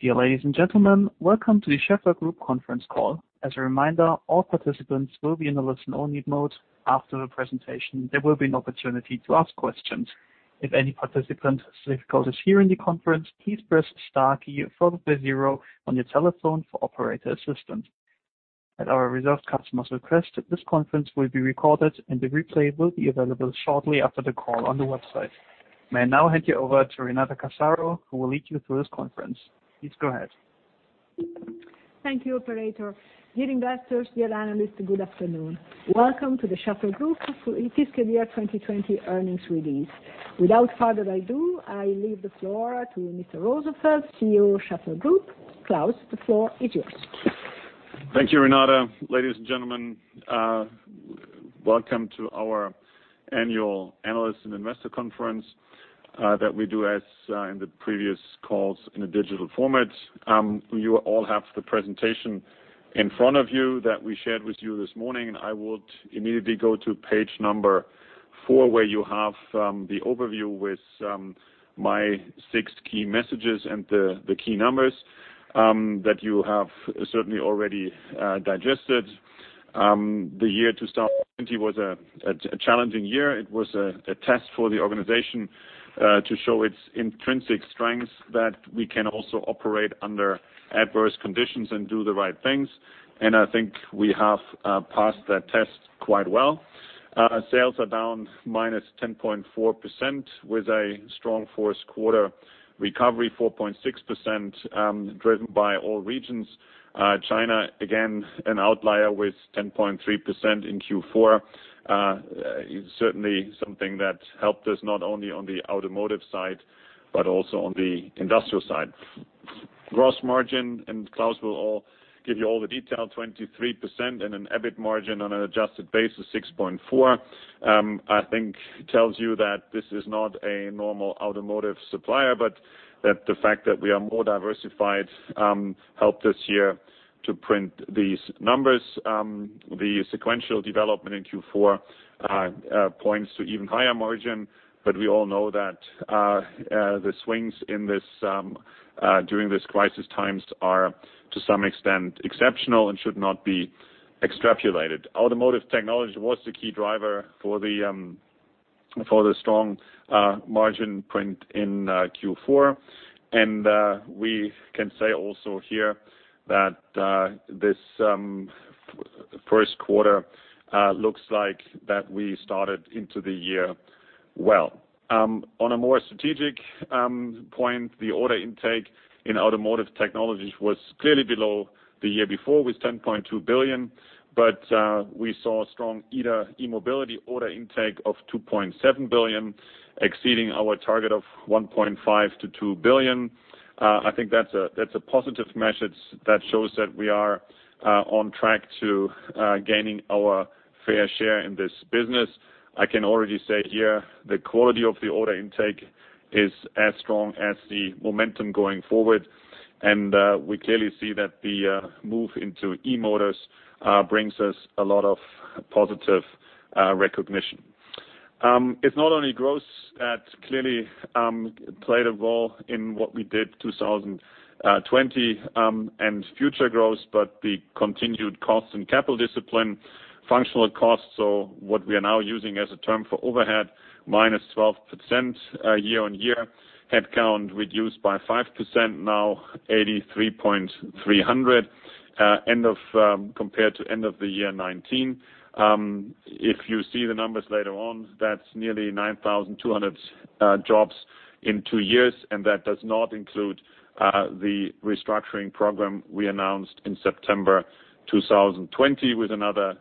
Dear ladies and gentlemen, welcome to the Schaeffler Group Conference Call. As a reminder, all participants will be in a listen-only mode. After the presentation, there will be an opportunity to ask questions. If any participant has difficulties hearing the conference, please press star key, followed by zero on your telephone for operator assistance. At our reserved customers request, this conference will be recorded, and the replay will be available shortly after the call on the website. May I now hand you over to Renata Casaro, who will lead you through this conference, please go ahead. Thank you, operator. Dear investors, dear analysts, good afternoon. Welcome to the Schaeffler Group's fiscal year 2020 earnings release. Without further ado, I leave the floor to Mr. Rosenfeld, CEO of Schaeffler Group. Klaus, the floor is yours. Thank you, Renata. Ladies and gentlemen, welcome to our annual analyst and investor conference that we do, as in the previous calls, in a digital format. You all have the presentation in front of you that we shared with you this morning, I would immediately go to page number four, where you have the overview with my six key messages and the key numbers that you have certainly already digested. The year 2020 was a challenging year. It was a test for the organization to show its intrinsic strengths, that we can also operate under adverse conditions and do the right things. I think we have passed that test quite well. Sales are down -10.4% with a strong fourth quarter recovery, 4.6%, driven by all regions. China, again, an outlier with 10.3% in Q4. Certainly, something that helped us not only on the automotive side, but also on the industrial side. Gross margin, and Klaus will give you all the detail, 23%, and an EBIT margin on an adjusted basis, 6.4%. I think tells you that this is not a normal automotive supplier, but that the fact that we are more diversified helped us here to print these numbers. The sequential development in Q4 points to even higher margin, but we all know that the swings during these crisis times are, to some extent, exceptional and should not be extrapolated. Automotive Technologies was the key driver for the strong margin print in Q4. We can say also here that this first quarter looks like that we started into the year well. On a more strategic point, the order intake in Automotive Technologies was clearly below the year before with 10.2 billion, but we saw a strong E-mobility order intake of 2.7 billion, exceeding our target of 1.5 billion-2 billion. I think that's a positive measure that shows that we are on track to gaining our fair share in this business. I can already say here, the quality of the order intake is as strong as the momentum going forward. We clearly see that the move into E-motors brings us a lot of positive recognition. It's not only growth that clearly played a role in what we did 2020, and future growth, but the continued cost and capital discipline. Functional costs, so what we are now using as a term for overhead, -12% year-on-year. Headcount reduced by 5%, now 83,300 compared to end of the year 2019. If you see the numbers later on, that's nearly 9,200 jobs in two years, that does not include the restructuring program we announced in September 2020 with another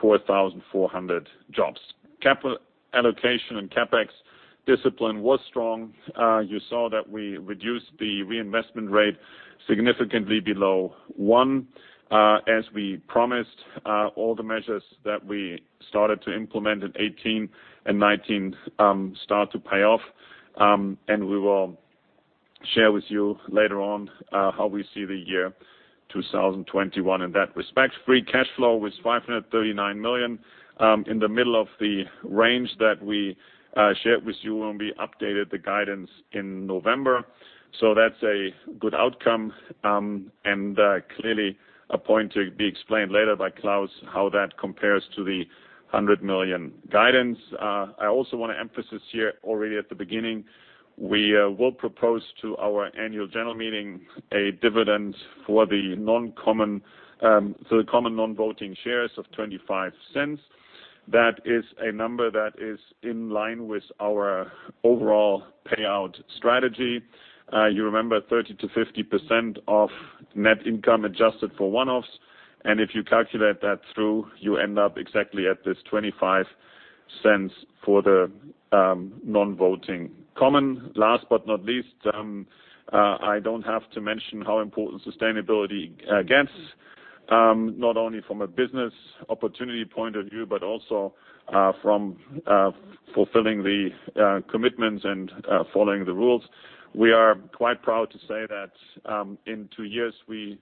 4,400 jobs. Capital allocation and CapEx discipline was strong. You saw that we reduced the reinvestment rate significantly below one. As we promised, all the measures that we started to implement in 2018 and 2019 start to pay off. We will share with you later on how we see the year 2021 in that respect. Free cash flow was 539 million, in the middle of the range that we shared with you when we updated the guidance in November. That's a good outcome, and clearly a point to be explained later by Klaus, how that compares to the 100 million guidance. I also want to emphasize here already at the beginning, we will propose to our annual general meeting a dividend for the common non-voting shares of 0.25. That is a number that is in line with our overall payout strategy. You remember 30%-50% of net income adjusted for one-offs. If you calculate that through, you end up exactly at this 0.25 for the non-voting common. Last but not least, I don't have to mention how important sustainability, again, not only from a business opportunity point of view, but also from fulfilling the commitments and following the rules. We are quite proud to say that in two years, we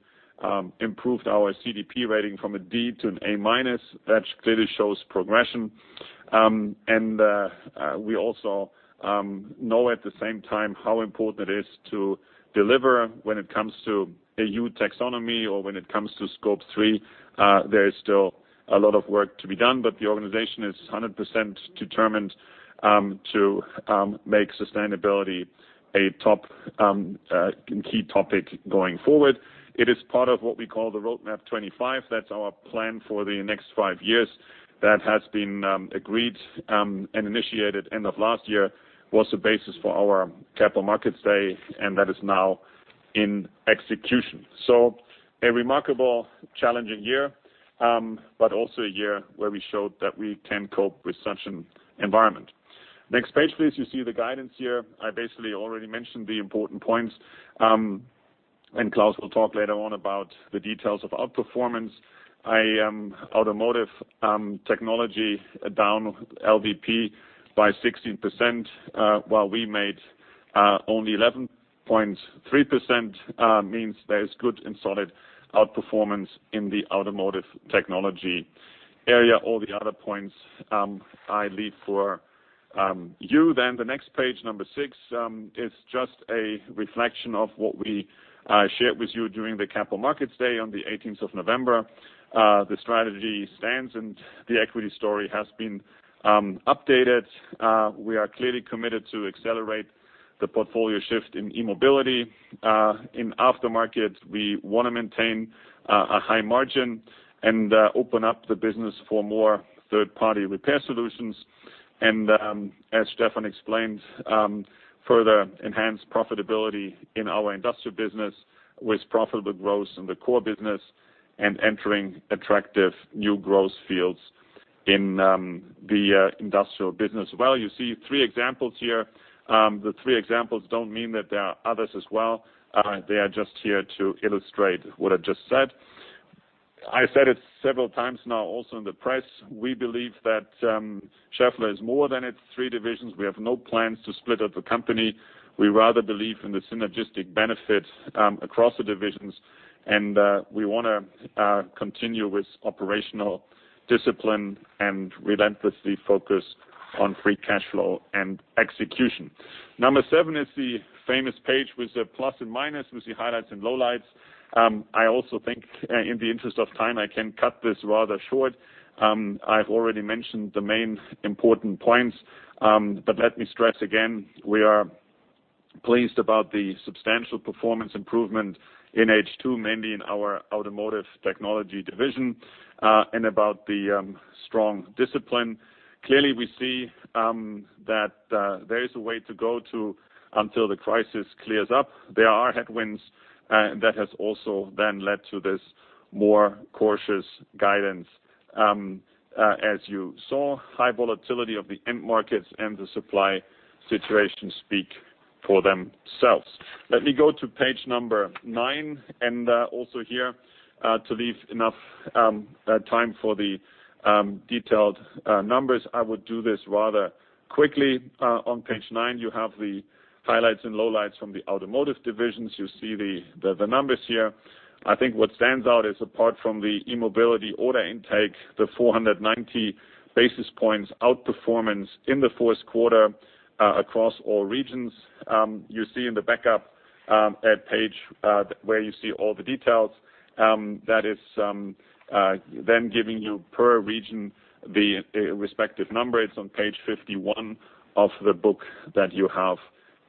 improved our CDP rating from a D to an A-minus. That clearly shows progression. We also know at the same time how important it is to deliver when it comes to EU taxonomy or when it comes to Scope three. There is still a lot of work to be done, but the organization is 100% determined to make sustainability a top key topic going forward. It is part of what we call the Roadmap 2025. That's our plan for the next five years. That has been agreed and initiated end of last year, was the basis for our Capital Markets Day, and that is now in execution. A remarkable challenging year, but also a year where we showed that we can cope with such an environment, next page, please. You see the guidance here. I basically already mentioned the important points. Klaus will talk later on about the details of outperformance. Automotive Technologies down LVP by 16%, while we made only 11.3%, means there is good and solid outperformance in the Automotive Technologies area. All the other points I leave for you. The next page, number six, is just a reflection of what we shared with you during the Capital Markets Day on the 18th of November. The strategy stands, the equity story has been updated. We are clearly committed to accelerate the portfolio shift in E-mobility. In Aftermarket, we want to maintain a high margin and open up the business for more third-party repair solutions. As Stefan explained, further enhance profitability in our Industrial Business with profitable growth in the core business and entering attractive new growth fields in the Industrial Business. Well, you see three examples here. The three examples don't mean that there are others as well. They are just here to illustrate what I just said. I said it several times now also in the press, we believe that Schaeffler is more than its three divisions. We have no plans to split up the company. We rather believe in the synergistic benefits across the divisions, and we want to continue with operational discipline and relentlessly focus on free cash flow and execution. Number seven is the famous page with the plus and minus, with the highlights and lowlights. I also think in the interest of time, I can cut this rather short. I've already mentioned the main important points. Let me stress again, we are pleased about the substantial performance improvement in H2, mainly in our Automotive Technologies division, and about the strong discipline. Clearly, we see that there is a way to go to until the crisis clears up. There are headwinds, and that has also then led to this more cautious guidance. As you saw, high volatility of the end markets and the supply situation speak for themselves. Let me go to page nine, and also here, to leave enough time for the detailed numbers, I would do this rather quickly. On page nine, you have the highlights and lowlights from the Automotive divisions. You see the numbers here. I think what stands out is apart from the E-mobility order intake, the 490 basis points outperformance in the fourth quarter across all regions. You see in the backup at page where you see all the details. That is then giving you per region the respective number. It's on page 51 of the book that you have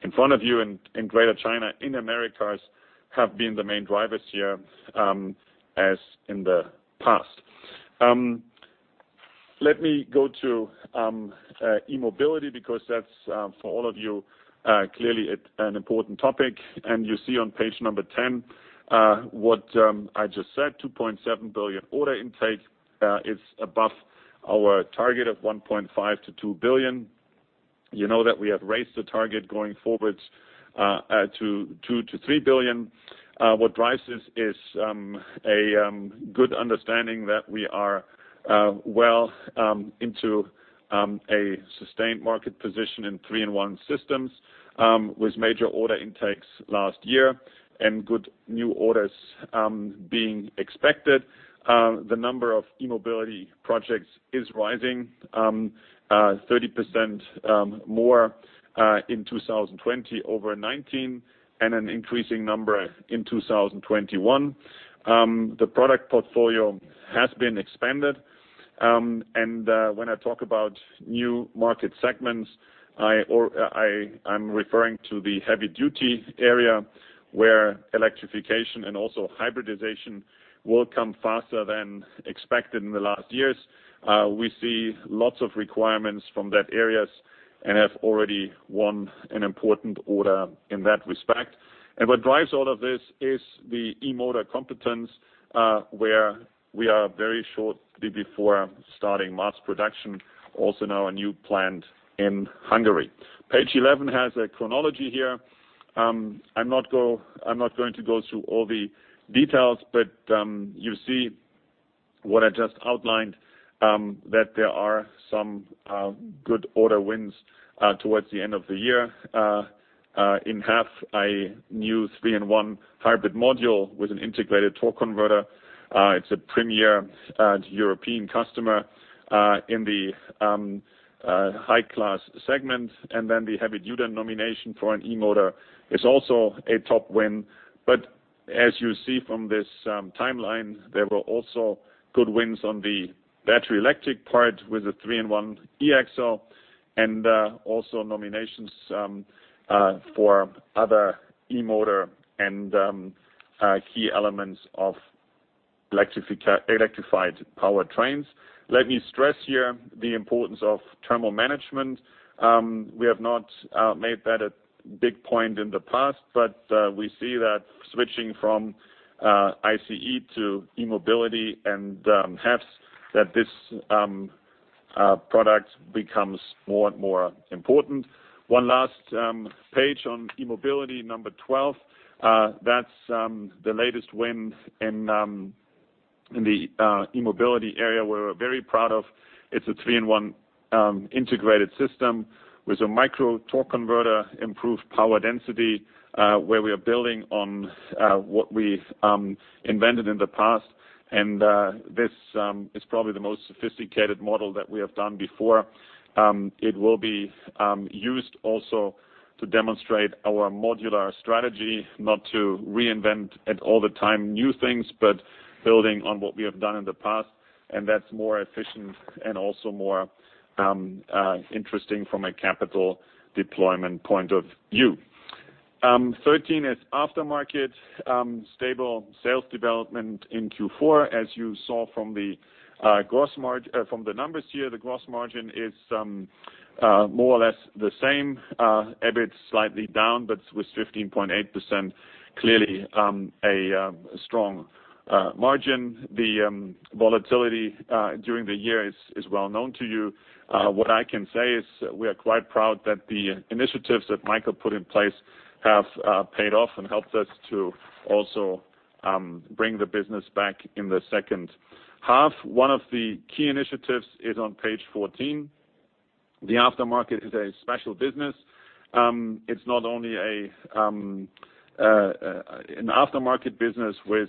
in front of you. In Greater China, in Americas have been the main drivers here, as in the past. Let me go to E-mobility because that's, for all of you, clearly an important topic. You see on page number 10 what I just said, 2.7 billion order intake is above our target of 1.5 billion-2 billion. You know that we have raised the target going forward to 2 billion-3 billion. What drives this is a good understanding that we are well into a sustained market position in three-in-one systems with major order intakes last year and good new orders being expected. The number of E-mobility projects is rising 30% more in 2020 over 2019, and an increasing number in 2021. The product portfolio has been expanded. When I talk about new market segments, I'm referring to the heavy-duty area where electrification and also hybridization will come faster than expected in the last years. We see lots of requirements from that areas and have already won an important order in that respect. What drives all of this is the E-motor competence, where we are very shortly before starting mass production, also now a new plant in Hungary. Page 11 has a chronology here. I'm not going to go through all the details, but you see what I just outlined, that there are some good order wins towards the end of the year. In half, a new three-in-one hybrid module with an integrated torque converter. It's a premier European customer in the high-class segment. The heavy-duty nomination for an E-motor is also a top win. As you see from this timeline, there were also good wins on the battery electric part with the three-in-one E-axle, and also nominations for other E-motor and key elements of electrified powertrains. Let me stress here the importance of thermal management. We have not made that a big point in the past, but we see that switching from ICE to E-mobility and HEVs, that this product becomes more and more important. One last page on E-mobility, number 12. That's the latest win in the E-mobility area we're very proud of. It's a three-in-one integrated system with a micro torque converter, improved power density, where we are building on what we've invented in the past. This is probably the most sophisticated model that we have done before. It will be used also to demonstrate our modular strategy, not to reinvent at all the time new things, but building on what we have done in the past, and that's more efficient and also more interesting from a capital deployment point of view. 13 is Aftermarket, stable sales development in Q4. As you saw from the numbers here, the gross margin is more or less the same. EBIT slightly down, but with 15.8%, clearly a strong margin. The volatility during the year is well known to you. What I can say is we are quite proud that the initiatives that Michael put in place have paid off and helped us to also bring the business back in the second half. One of the key initiatives is on page 14. The aftermarket is a special business. It's not only an aftermarket business with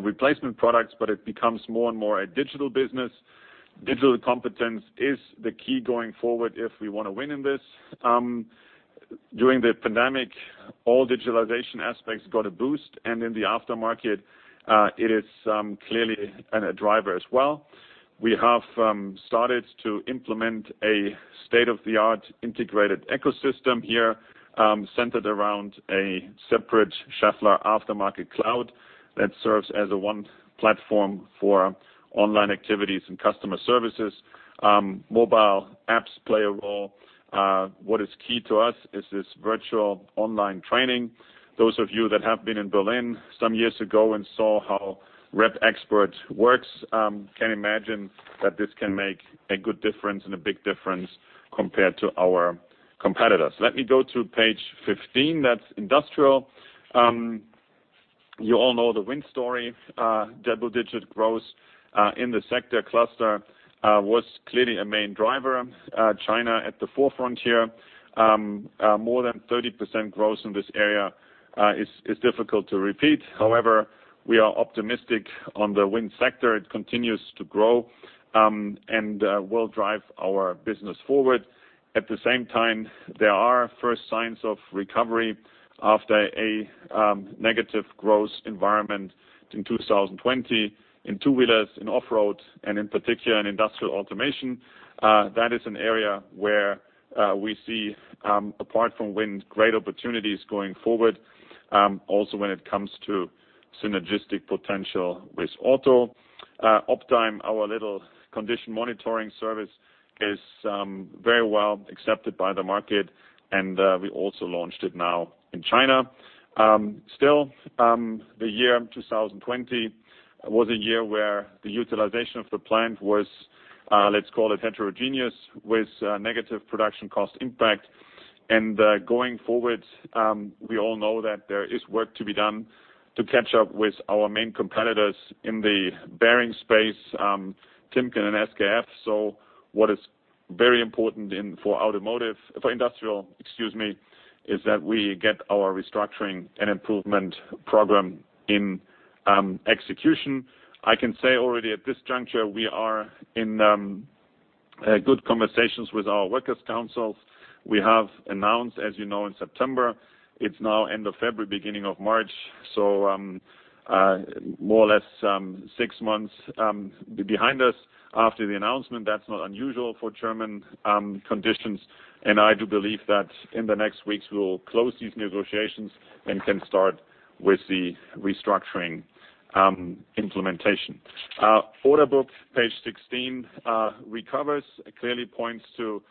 replacement products, but it becomes more and more a digital business. Digital competence is the key going forward if we want to win in this. During the pandemic, all digitalization aspects got a boost, and in the aftermarket, it is clearly a driver as well. We have started to implement a state-of-the-art integrated ecosystem here, centered around a separate Schaeffler aftermarket cloud that serves as a one platform for online activities and customer services. Mobile apps play a role. What is key to us is this virtual online training. Those of you that have been in Berlin some years ago and saw how REPXPERT works can imagine that this can make a good difference and a big difference compared to our competitors. Let me go to page 15, that's Industrial. You all know the Wind story. Double-digit growth in the sector cluster was clearly a main driver. China at the forefront here. More than 30% growth in this area is difficult to repeat. We are optimistic on the Wind sector. It continues to grow and will drive our business forward. At the same time, there are first signs of recovery after a negative growth environment in 2020 in Two-Wheelers, in Off-Road, and in particular, in industrial automation. That is an area where we see, apart from Wind, great opportunities going forward, also when it comes to synergistic potential with auto. OPTIME, our little condition monitoring service, is very well accepted by the market, and we also launched it now in China. Still, the year 2020 was a year where the utilization of the plant was, let's call it heterogeneous, with negative production cost impact. Going forward, we all know that there is work to be done to catch up with our main competitors in the bearing space, Timken and SKF. What is very important for industrial is that we get our restructuring and improvement program in execution. I can say already at this juncture, we are in good conversations with our workers councils. We have announced, as you know, in September, it's now end of February, beginning of March, more or less six months behind us after the announcement. That's not unusual for German conditions. I do believe that in the next weeks, we will close these negotiations and can start with the restructuring implementation. Order book, page 16, recovers clearly points to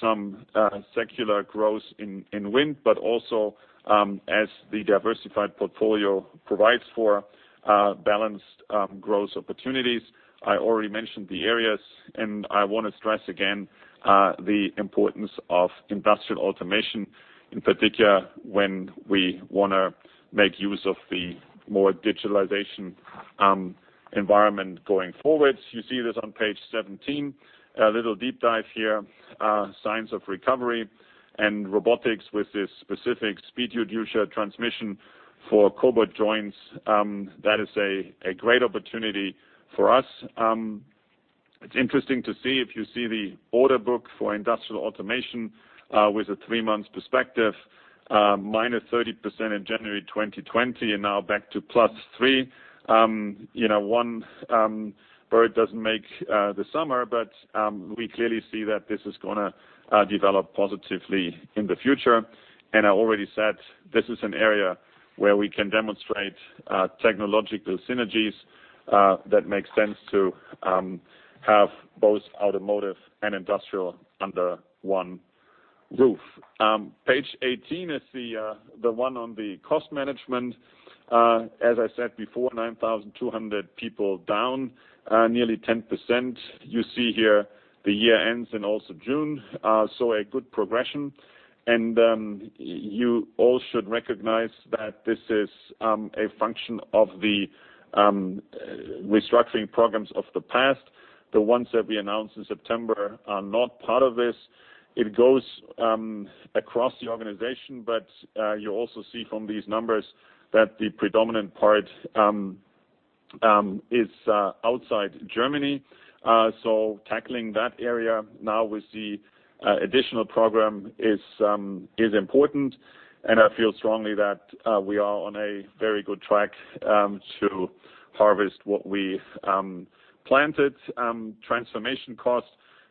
some secular growth in Wind. Also, as the diversified portfolio provides for balanced growth opportunities. I already mentioned the areas. I want to stress again, the importance of industrial automation, in particular, when we want to make use of the more digitalization environment going forward. You see this on page 17. A little deep dive here. Signs of recovery and robotics with this specific speed reducer transmission for cobot joints. That is a great opportunity for us. It is interesting to see, if you see the order book for industrial automation with a three-month perspective, -30% in January 2020, and now back to +3%. One bird doesn't make the summer, we clearly see that this is going to develop positively in the future. I already said, this is an area where we can demonstrate technological synergies that make sense to have both Automotive and Industrial under one roof. Page 18 is the one on the cost management. As I said before, 9,200 people down, nearly 10%. You see here the year ends in also June, a good progression. You all should recognize that this is a function of the restructuring programs of the past. The ones that we announced in September are not part of this. It goes across the organization, but you also see from these numbers that the predominant part is outside Germany. Tackling that area now with the additional program is important, and I feel strongly that we are on a very good track to harvest what we've planted. Transformation cost,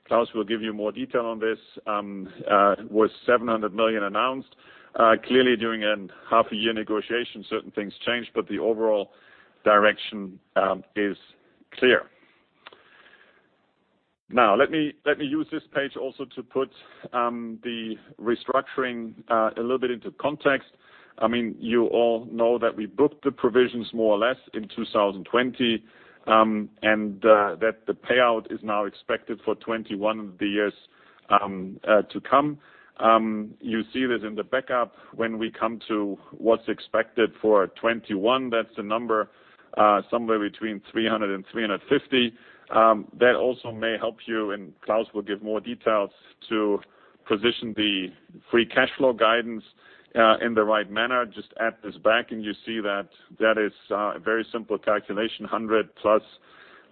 Klaus will give you more detail on this, it was 700 million announced. Clearly, during a half a year negotiation, certain things changed, but the overall direction is clear. Let me use this page also to put the restructuring a little bit into context. You all know that we booked the provisions more or less in 2020, and that the payout is now expected for 2021, the years to come. You see this in the backup when we come to what's expected for 2021. That's a number somewhere between 300 million and 350 million. That also may help you, and Klaus will give more details to position the free cash flow guidance in the right manner. Add this back and you see that that is a very simple calculation, 100+ million,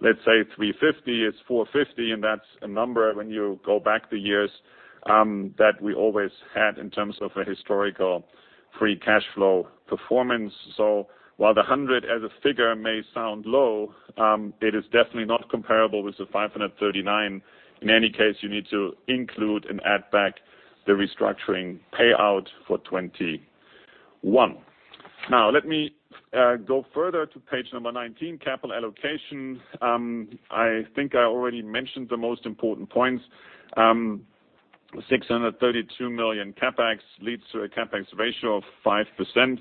let's say 350 million is 450 million, and that's a number when you go back the years, that we always had in terms of a historical free cash flow performance. While the 100 million as a figure may sound low, it is definitely not comparable with the 539 million. In any case, you need to include and add back the restructuring payout for 2021. Let me go further to page number 19, capital allocation. I think I already mentioned the most important points. 632 million CapEx leads to a CapEx ratio of 5%.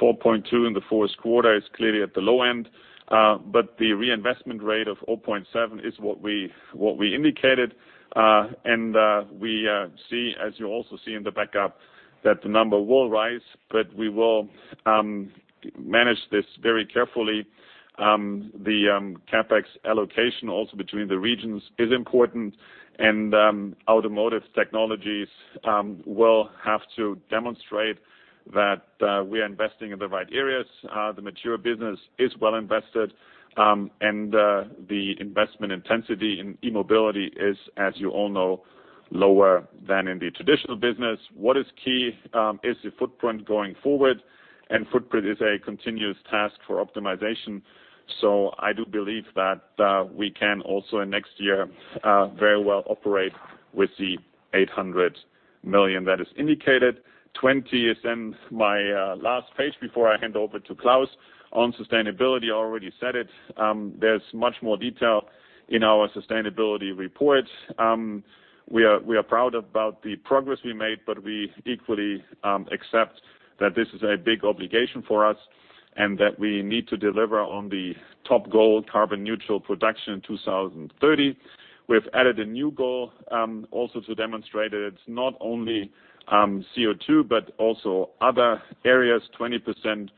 4.2% in the fourth quarter is clearly at the low end. The reinvestment rate of 0.7% is what we indicated. We see, as you also see in the backup, that the number will rise, but we will manage this very carefully. The CapEx allocation also between the regions is important, and Automotive Technologies will have to demonstrate that we are investing in the right areas. The mature business is well invested, and the investment intensity in E-mobility is, as you all know, lower than in the traditional business. What is key is the footprint going forward, and footprint is a continuous task for optimization. I do believe that we can also in next year very well operate with the 800 million that is indicated. 20 is then my last page before I hand over to Klaus. On sustainability, I already said it, there is much more detail in our sustainability report. We are proud about the progress we made, but we equally accept that this is a big obligation for us and that we need to deliver on the top goal, carbon neutral production 2030. We've added a new goal, also to demonstrate that it's not only CO2, but also other areas, 20%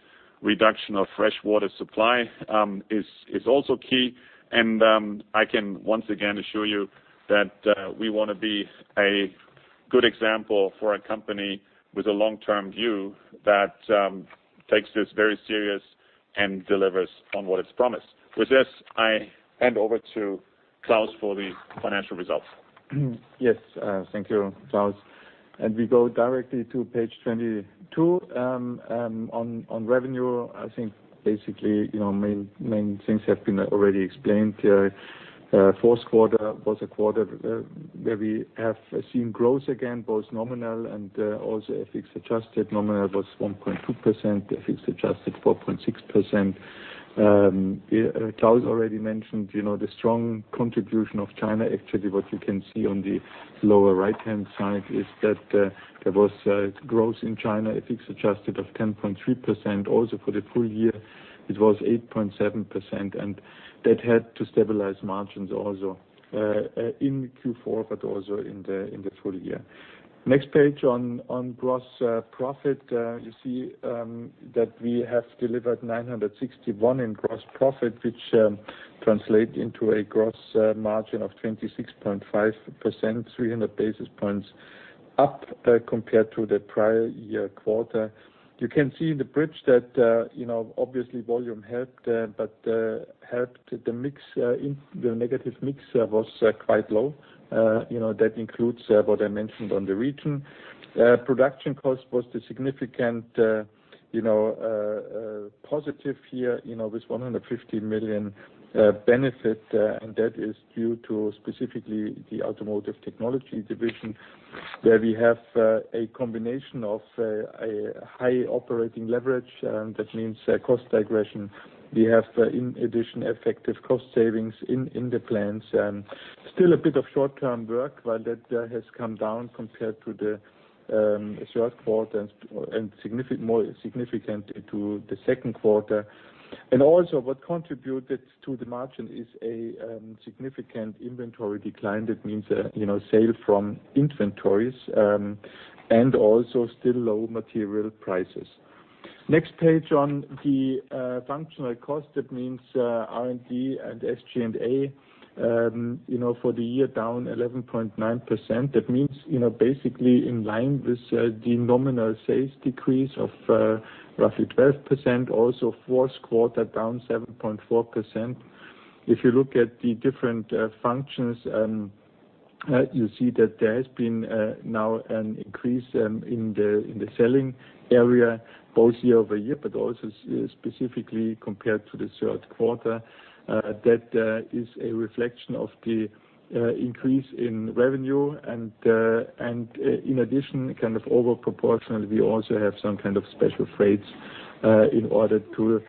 reduction of fresh water supply is also key. I can once again assure you that we want to be a good example for a company with a long-term view that takes this very serious and delivers on what it's promised. With this, I hand over to Klaus for the financial results. Yes, thank you, Klaus. We go directly to page 22. On revenue, I think basically, main things have been already explained. Fourth quarter was a quarter where we have seen growth again, both nominal and also FX adjusted. Nominal was 1.2%, FX adjusted 4.6%. Klaus already mentioned the strong contribution of China. Actually, what you can see on the lower right-hand side is that there was growth in China, FX adjusted of 10.3%. For the full year, it was 8.7%, and that helped to stabilize margins also in Q4, but also in the full year. Next page on gross profit. You see that we have delivered 961 million in gross profit, which translates into a gross margin of 26.5%, 300 basis points up compared to the prior-year quarter. You can see in the bridge that, obviously volume helped, but helped the negative mix was quite low. That includes what I mentioned on the region. Production cost was the significant positive here with 150 million benefit, that is due to specifically the Automotive Technologies division, where we have a combination of a high operating leverage. That means cost aggression. We have, in addition, effective cost savings in the plans. Still a bit of short-term work, that has come down compared to the third quarter and more significant to the second quarter. Also, what contributed to the margin is a significant inventory decline. That means sale from inventories, also still low material prices. Next page on the functional cost, that means R&D and SG&A, for the year down 11.9%. That means basically in line with the nominal sales decrease of roughly 12%, also fourth quarter down 7.4%. If you look at the different functions, you see that there has been now an increase in the selling area, both year-over-year, but also specifically compared to the third quarter. That is a reflection of the increase in revenue and, in addition, over proportional, we also have some kind of special freights, in order to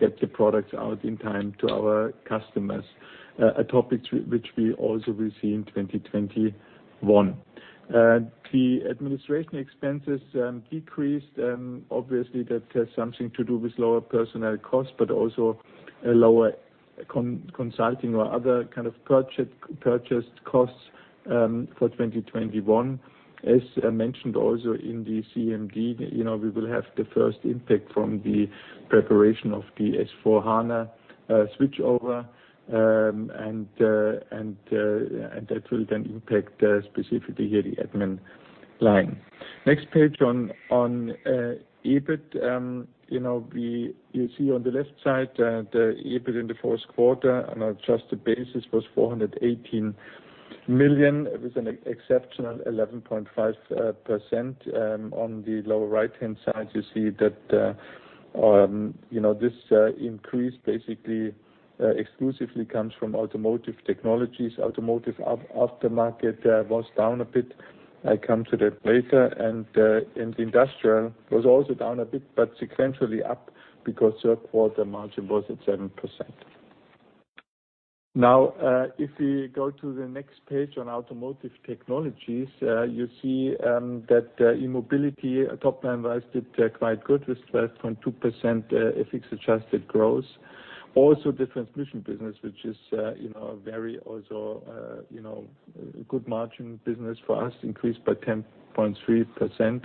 get the products out in time to our customers. A topic which we also will see in 2021. The administration expenses decreased. Obviously, that has something to do with lower personnel costs, but also lower consulting or other kind of purchased costs for 2021. As mentioned also in the CMD, we will have the first impact from the preparation of the S/4HANA switchover, and that will then impact specifically here the admin line. Next page on EBIT. You see on the left side, the EBIT in the fourth quarter on adjusted basis was 418 million. It was an exceptional 11.5%. On the lower right-hand side, you see that this increase basically exclusively comes from Automotive Technologies. Automotive Aftermarket was down a bit. I come to that later. The Industrial was also down a bit, but sequentially up because third quarter margin was at 7%. If we go to the next page on Automotive Technologies, you see that E-mobility, top line rise did quite good with 12.2% FX adjusted growth. The transmission business, which is a very good margin business for us, increased by 10.3%.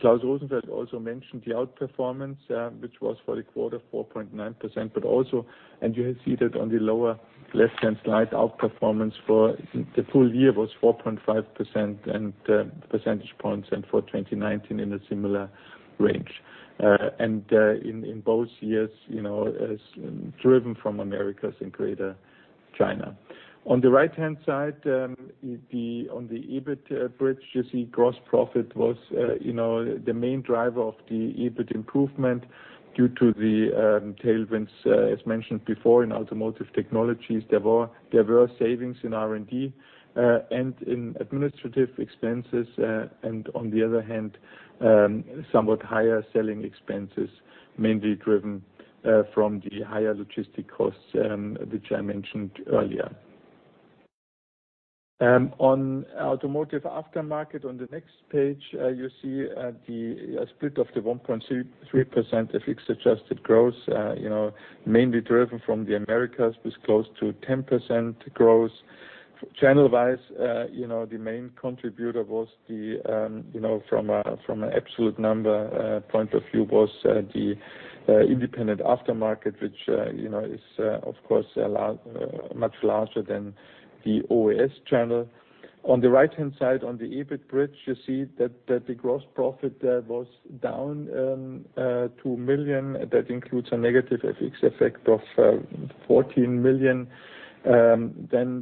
Klaus Rosenfeld also mentioned the outperformance, which was for the quarter 4.9%, but also, and you have seen it on the lower left-hand side, outperformance for the full year was 4.5% and percentage points and for 2019 in a similar range. In both years, as driven from Americas and Greater China. On the right-hand side on the EBIT bridge, you see gross profit was the main driver of the EBIT improvement due to the tailwinds, as mentioned before, in Automotive Technologies. There were savings in R&D and in administrative expenses, and on the other hand, somewhat higher selling expenses, mainly driven from the higher logistic costs, which I mentioned earlier. On Automotive Aftermarket, on the next page, you see the split of the 1.3% FX adjusted growth, mainly driven from the Americas with close to 10% growth. Channel-wise, the main contributor from an absolute number point of view was the independent aftermarket, which is of course much larger than the OES channel. On the right-hand side, on the EBIT bridge, you see that the gross profit there was down 2 million. That includes a negative FX effect of 14 million.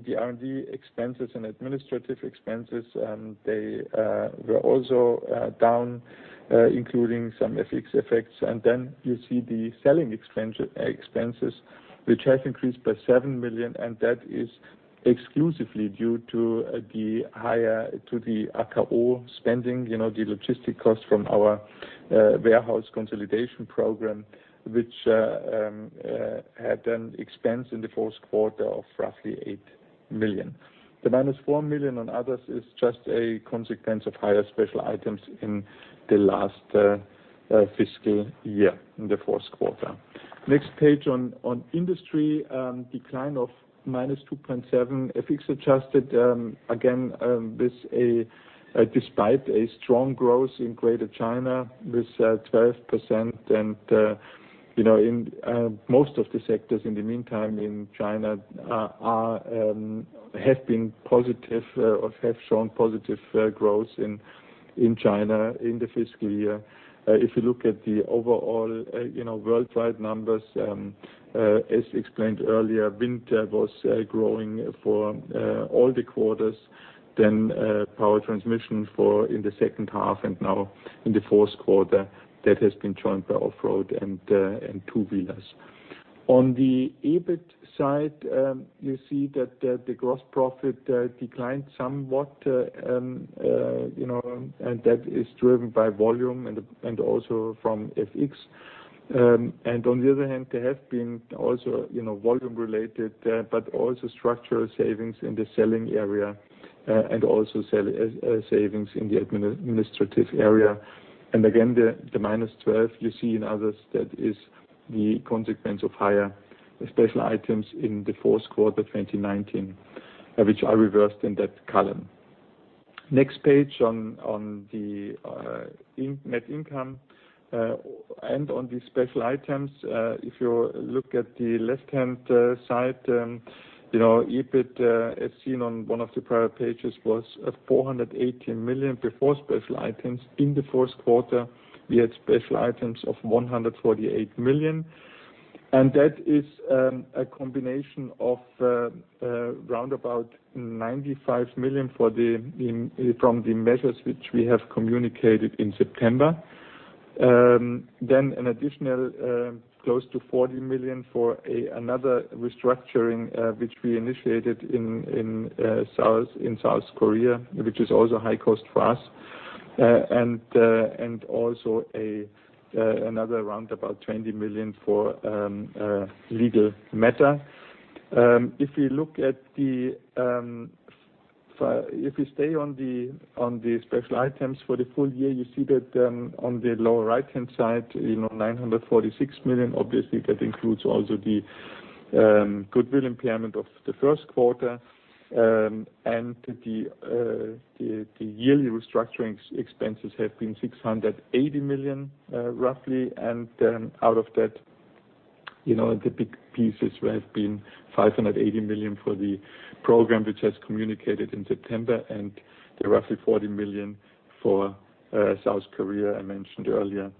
The R&D expenses and administrative expenses, they were also down, including some FX effects. You see the selling expenses, which has increased by 7 million, and that is exclusively due to the AKO spending, the logistic cost from our warehouse consolidation program, which had an expense in the fourth quarter of roughly 8 million. The minus 4 million on others is just a consequence of higher special items in the last fiscal year, in the fourth quarter. Next page on industry. Decline of -2.7% FX adjusted. Again, despite a strong growth in Greater China with 12%. In most of the sectors in the meantime in China have been positive or have shown positive growth in China in the fiscal year. If you look at the overall worldwide numbers, as explained earlier, Wind was growing for all the quarters then Power Transmission in the second half and now in the fourth quarter that has been joined by Off-Road and Two-Wheelers. On the EBIT side, you see that the gross profit declined somewhat, and that is driven by volume and also from FX. On the other hand, there have been also volume related, but also structural savings in the selling area and also savings in the administrative area. Again, the -12 million you see in others, that is the consequence of higher special items in the fourth quarter 2019, which are reversed in that column. Next page on the net income and on the special items. If you look at the left-hand side, EBIT, as seen on one of the prior pages, was at 418 million before special items. In the fourth quarter, we had special items of 148 million. That is a combination of roundabout 95 million from the measures which we have communicated in September. An additional close to 40 million for another restructuring which we initiated in South Korea, which is also high cost for us. Also, another roundabout 20 million for a legal matter. If we stay on the special items for the full year, you see that on the lower right-hand side, 946 million, obviously, that includes also the goodwill impairment of the first quarter. The yearly restructuring expenses have been 680 million, roughly, and out of that, the big pieces have been 580 million for the program, which has communicated in September and the roughly 40 million for South Korea I mentioned earlier.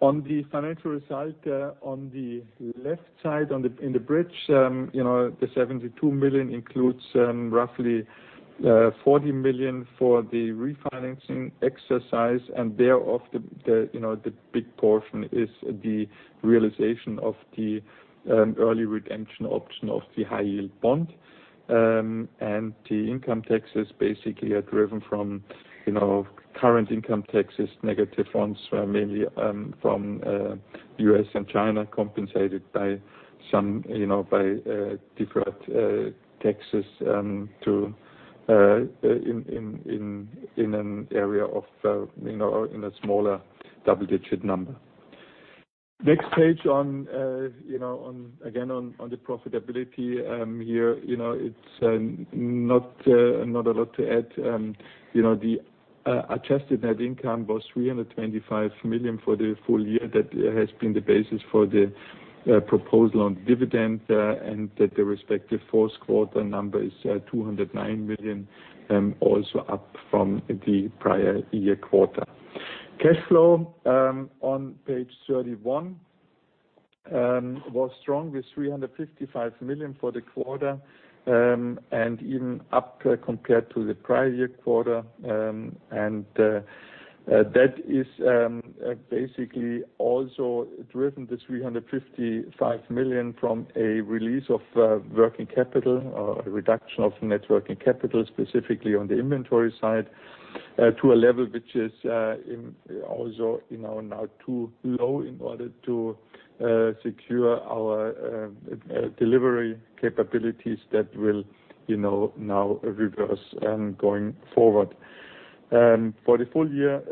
On the financial result, on the left side in the bridge, the 72 million includes roughly 40 million for the refinancing exercise, and thereof the big portion is the realization of the early redemption option of the high yield bond. The income taxes basically are driven from current income taxes, negative ones, mainly from U.S. and China, compensated by different taxes in a smaller double-digit number. Next page, again, on the profitability. Here, it's not a lot to add, the adjusted net income was 325 million for the full year. That has been the basis for the proposal on dividend, that the respective fourth quarter number is 209 million, also up from the prior-year quarter. Cash flow on page 31 was strong with 355 million for the quarter, and even up compared to the prior-year quarter. That is basically also driven the 355 million from a release of working capital or a reduction of net working capital, specifically on the inventory side, to a level which is also now too low in order to secure our delivery capabilities that will now reverse going forward. For the full year,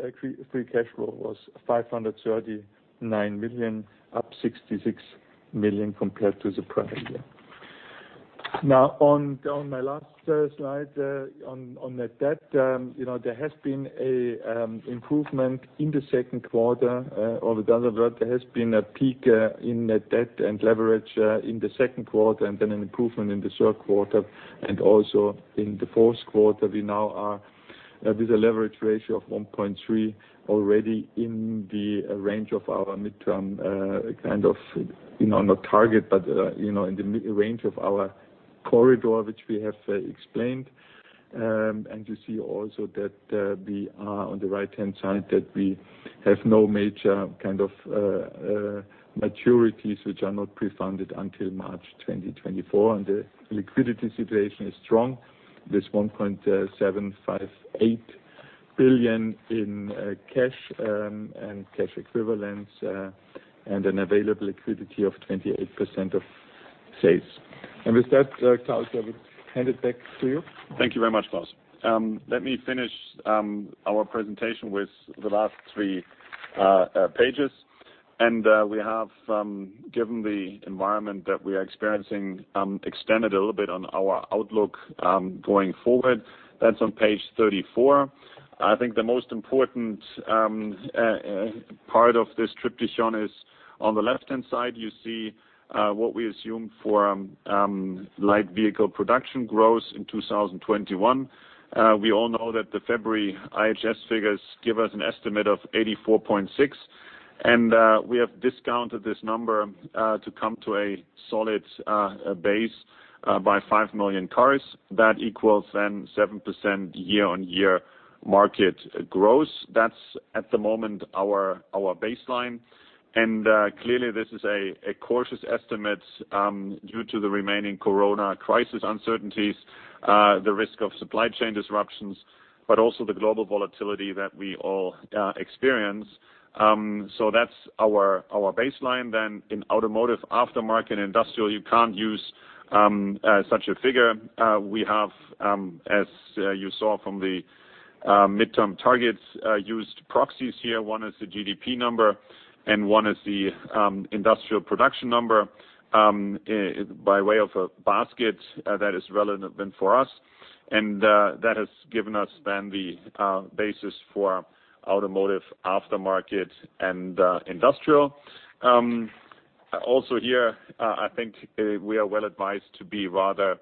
free cash flow was 539 million, up 66 million compared to the prior year. Now on my last slide on net debt. There has been an improvement in the second quarter, or the other way, there has been a peak in net debt and leverage in the second quarter and then an improvement in the third quarter and also in the fourth quarter. We now are with a leverage ratio of 1.3x already in the range of our midterm, not target, but in the range of our corridor, which we have explained. You see also that we are on the right-hand side, that we have no major kind of maturities which are not pre-funded until March 2024. The liquidity situation is strong. There's 1.758 billion in cash and cash equivalents and an available liquidity of 28% of sales. With that, Klaus, I would hand it back to you. Thank you very much, Klaus. Let me finish our presentation with the last three pages. We have, given the environment that we are experiencing, extended a little bit on our outlook going forward. That's on page 34. I think the most important part of this Triptychon is on the left-hand side, you see what we assume for light vehicle production growth in 2021. We all know that the February IHS figures give us an estimate of 84.6 million, and we have discounted this number to come to a solid base by 5 million cars. That equals 7% year-on-year market growth. That's, at the moment, our baseline. Clearly, this is a cautious estimate due to the remaining Corona crisis uncertainties, the risk of supply chain disruptions, but also the global volatility that we all experience, that's our baseline. In Automotive Aftermarket and Industrial, you can't use such a figure. We have, as you saw from the midterm targets, used proxies here. One is the GDP number and one is the Industrial production number, by way of a basket that is relevant for us. That has given us then the basis for Automotive Aftermarket and Industrial. Also here, I think we are well advised to be rather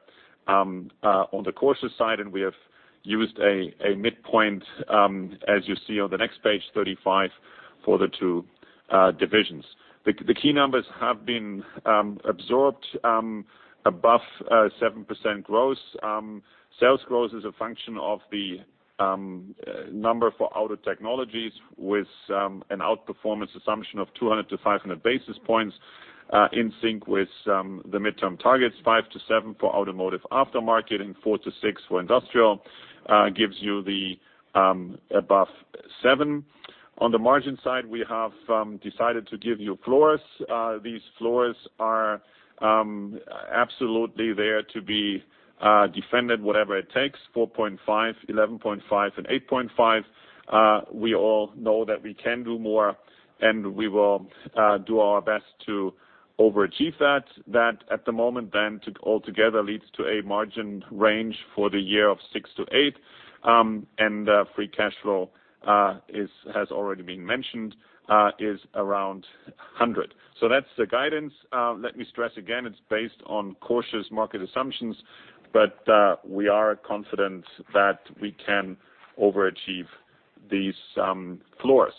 on the cautious side, and we have used a midpoint, as you see on the next page 35, for the two divisions. The key numbers have been absorbed above 7% growth. Sales growth is a function of the number for Automotive Technologies with an outperformance assumption of 200 basis points-500 basis points in sync with the midterm targets, 5%-7% for Automotive Aftermarket and 4%-6% for Industrial, gives you the above 7%. On the margin side, we have decided to give you floors. These floors are absolutely there to be defended, whatever it takes: 4.5%, 11.5%, and 8.5%. We all know that we can do more, and we will do our best to overachieve that. That at the moment altogether leads to a margin range for the year of 6%-8%, and free cash flow, as has already been mentioned, is around 100 million. That's the guidance. Let me stress again, it's based on cautious market assumptions, but we are confident that we can overachieve these floors.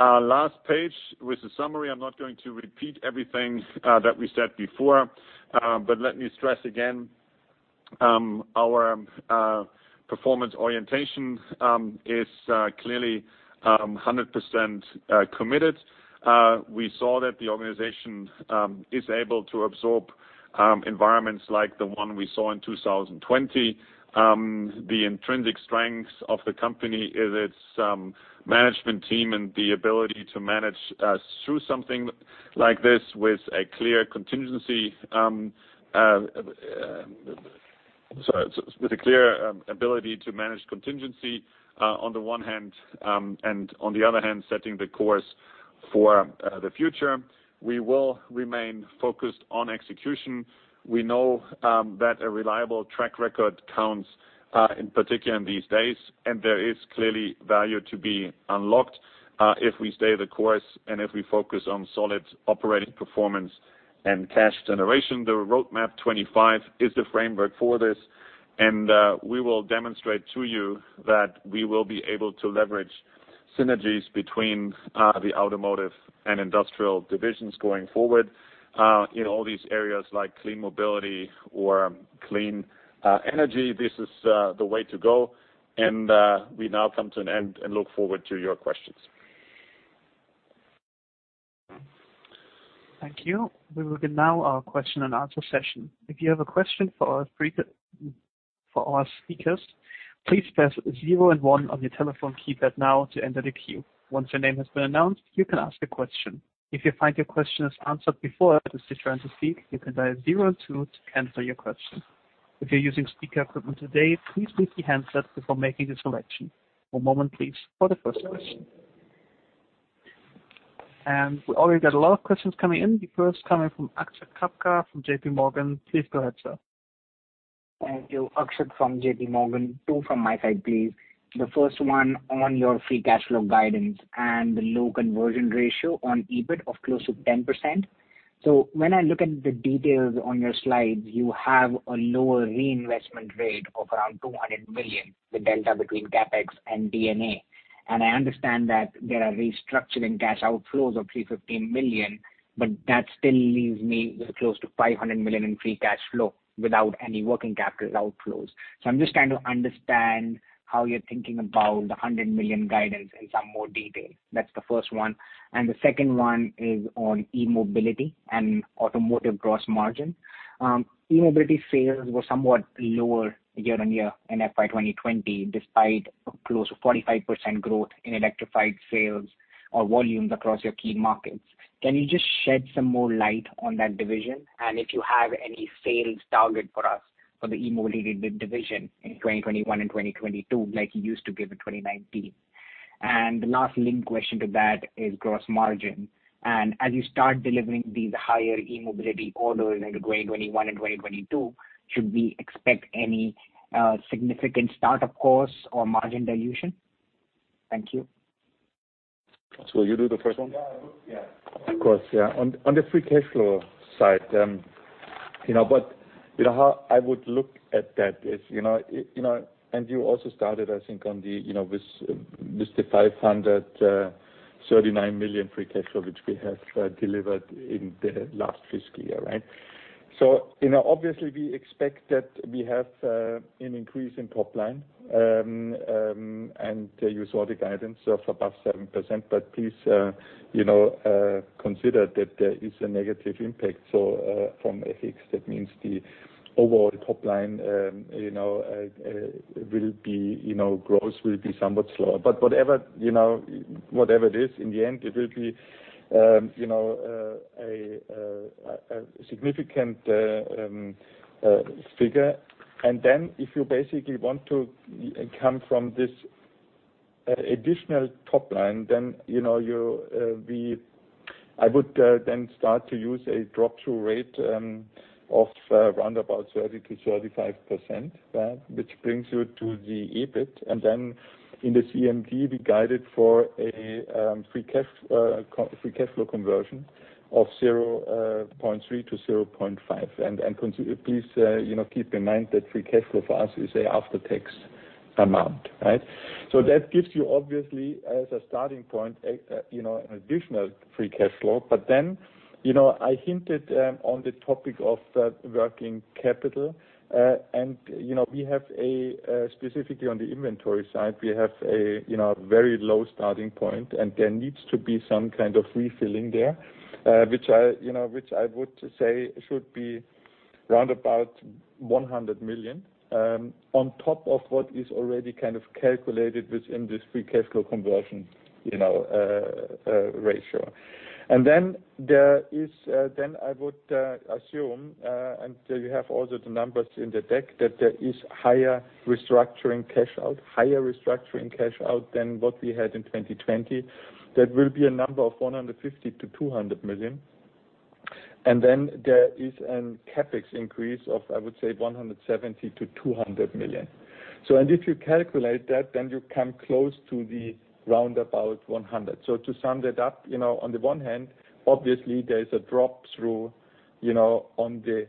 Last page with a summary. I'm not going to repeat everything that we said before, but let me stress again, our performance orientation is clearly 100% committed. We saw that the organization is able to absorb environments like the one we saw in 2020. The intrinsic strength of the company is its management team and the ability to manage through something like this with a clear ability to manage contingency on the one hand, and on the other hand, setting the course for the future. We will remain focused on execution. We know that a reliable track record counts, particularly in these days, and there is clearly value to be unlocked if we stay the course and if we focus on solid operating performance and cash generation. The Roadmap 2025 is the framework for this, and we will demonstrate to you that we will be able to leverage synergies between the automotive and industrial divisions going forward. In all these areas like clean mobility or clean energy, this is the way to go. We now come to an end and look forward to your questions. Thank you, we will begin now our question-and-answer session. If you have a question for our speakers, please press zero and one on your telephone keypad now to enter the queue. Once your name has been announced, you can ask a question. If you find your question is answered before it is your turn to speak, you can dial zero and two to cancel your question. If you're using speaker equipment today, please mute the handset before making a selection. One moment please for the first question. We already got a lot of questions coming in. The first coming from Akshat Kacker from J.P. Morgan, please go ahead, sir. Thank you, Akshat from J.P. Morgan., two from my side, please. The first one on your free cash flow guidance and the low conversion ratio on EBIT of close to 10%. When I look at the details on your slides, you have a lower reinvestment rate of around 200 million, the delta between CapEx and D&A. I understand that there are restructuring cash outflows of 315 million, but that still leaves me with close to 500 million in free cash flow without any working capital outflows. I'm just trying to understand how you're thinking about the 100 million guidance in some more detail. That's the first one. The second one is on E-mobility and automotive gross margin. E-mobility sales were somewhat lower year-over-year in FY 2020, despite close to 45% growth in electrified sales or volumes across your key markets. Can you just shed some more light on that division? If you have any sales target for us for the E-mobility division in 2021 and 2022, like you used to give in 2019? The last link question to that is gross margin. As you start delivering these higher E-mobility orders into 2021 and 2022, should we expect any significant start-up costs or margin dilution? Thank you. Klaus, will you do the first one? Yeah, I will, of course. On the free cash flow side, how I would look at that is, and you also started, I think, with the 539 million free cash flow, which we have delivered in the last fiscal year. Obviously, we expect that we have an increase in top line, and you saw the guidance of above 7%, but please consider that there is a negative impact from FX. That means the overall top line growth will be somewhat slower. Whatever it is, in the end, it will be a significant figure. If you basically want to come from this additional top line, then I would start to use a drop-through rate of roundabout 30%-35%, which brings you to the EBIT. In the CMD, we guided for a free cash flow conversion of 0.3-0.5. Please keep in mind that free cash flow for us is an after-tax amount. That gives you, obviously, as a starting point, an additional free cash flow. I hinted on the topic of working capital. Specifically on the inventory side, we have a very low starting point, and there needs to be some kind of refilling there, which I would say should be roundabout 100 million, on top of what is already kind of calculated within this free cash flow conversion ratio. I would assume, and you have also the numbers in the deck, that there is higher restructuring cash out than what we had in 2020. That will be a number of 150 million-200 million. There is a CapEx increase of, I would say, 170 million-200 million. If you calculate that, you come close to the roundabout 100 million. To sum that up, on the one hand, obviously there is a drop-through on the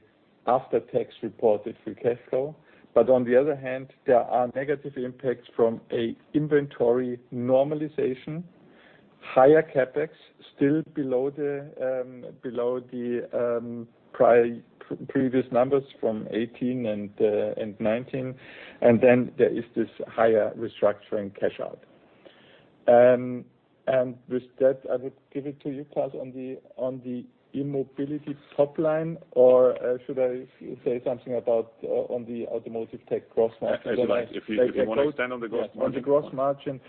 after-tax reported free cash flow. On the other hand, there are negative impacts from an inventory normalization, higher CapEx, still below the previous numbers from 2018 and 2019. There is this higher restructuring cash out. With that, I would give it to you, Klaus, on the E-mobility top line, or should I say something about on the Automotive Tech gross margin? If you want to stand on the gross margin. On the gross margin.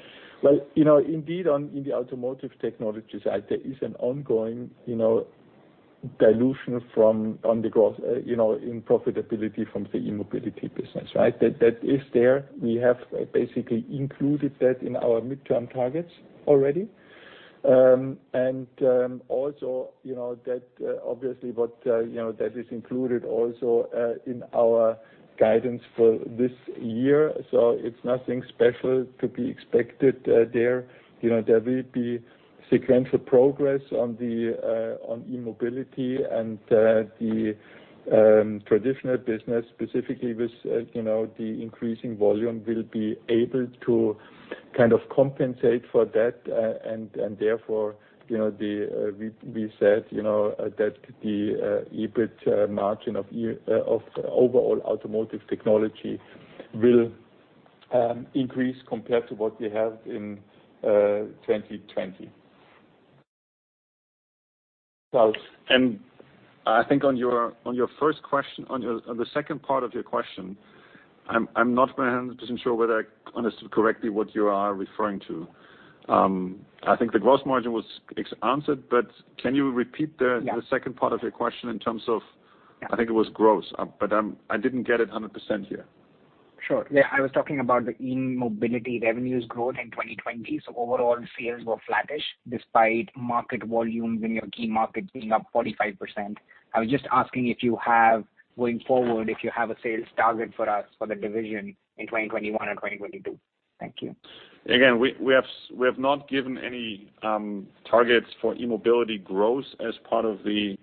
Indeed, in the Automotive Technologies, there is an ongoing dilution in profitability from the E-mobility business, that is there. We have basically included that in our midterm targets already. Obviously, that is included also in our guidance for this year. It's nothing special to be expected there. There will be sequential progress on E-mobility and the traditional business, specifically with the increasing volume, will be able to compensate for that. Therefore, we said that the EBIT margin of overall Automotive Technologies will increase compared to what we have in 2020. I think on the second part of your question, I'm not 100% sure whether I understood correctly what you are referring to. I think the gross margin was answered, but can you repeat the second part of your question in terms of, I think it was gross. I didn't get it 100% here. Sure, I was talking about the E-mobility revenues growth in 2020. Overall sales were flattish despite market volumes in your key markets being up 45%. I was just asking if you have, going forward, if you have a sales target for us for the division in 2021 and 2022, thank you. Again, we have not given any targets for E-mobility growth as part of the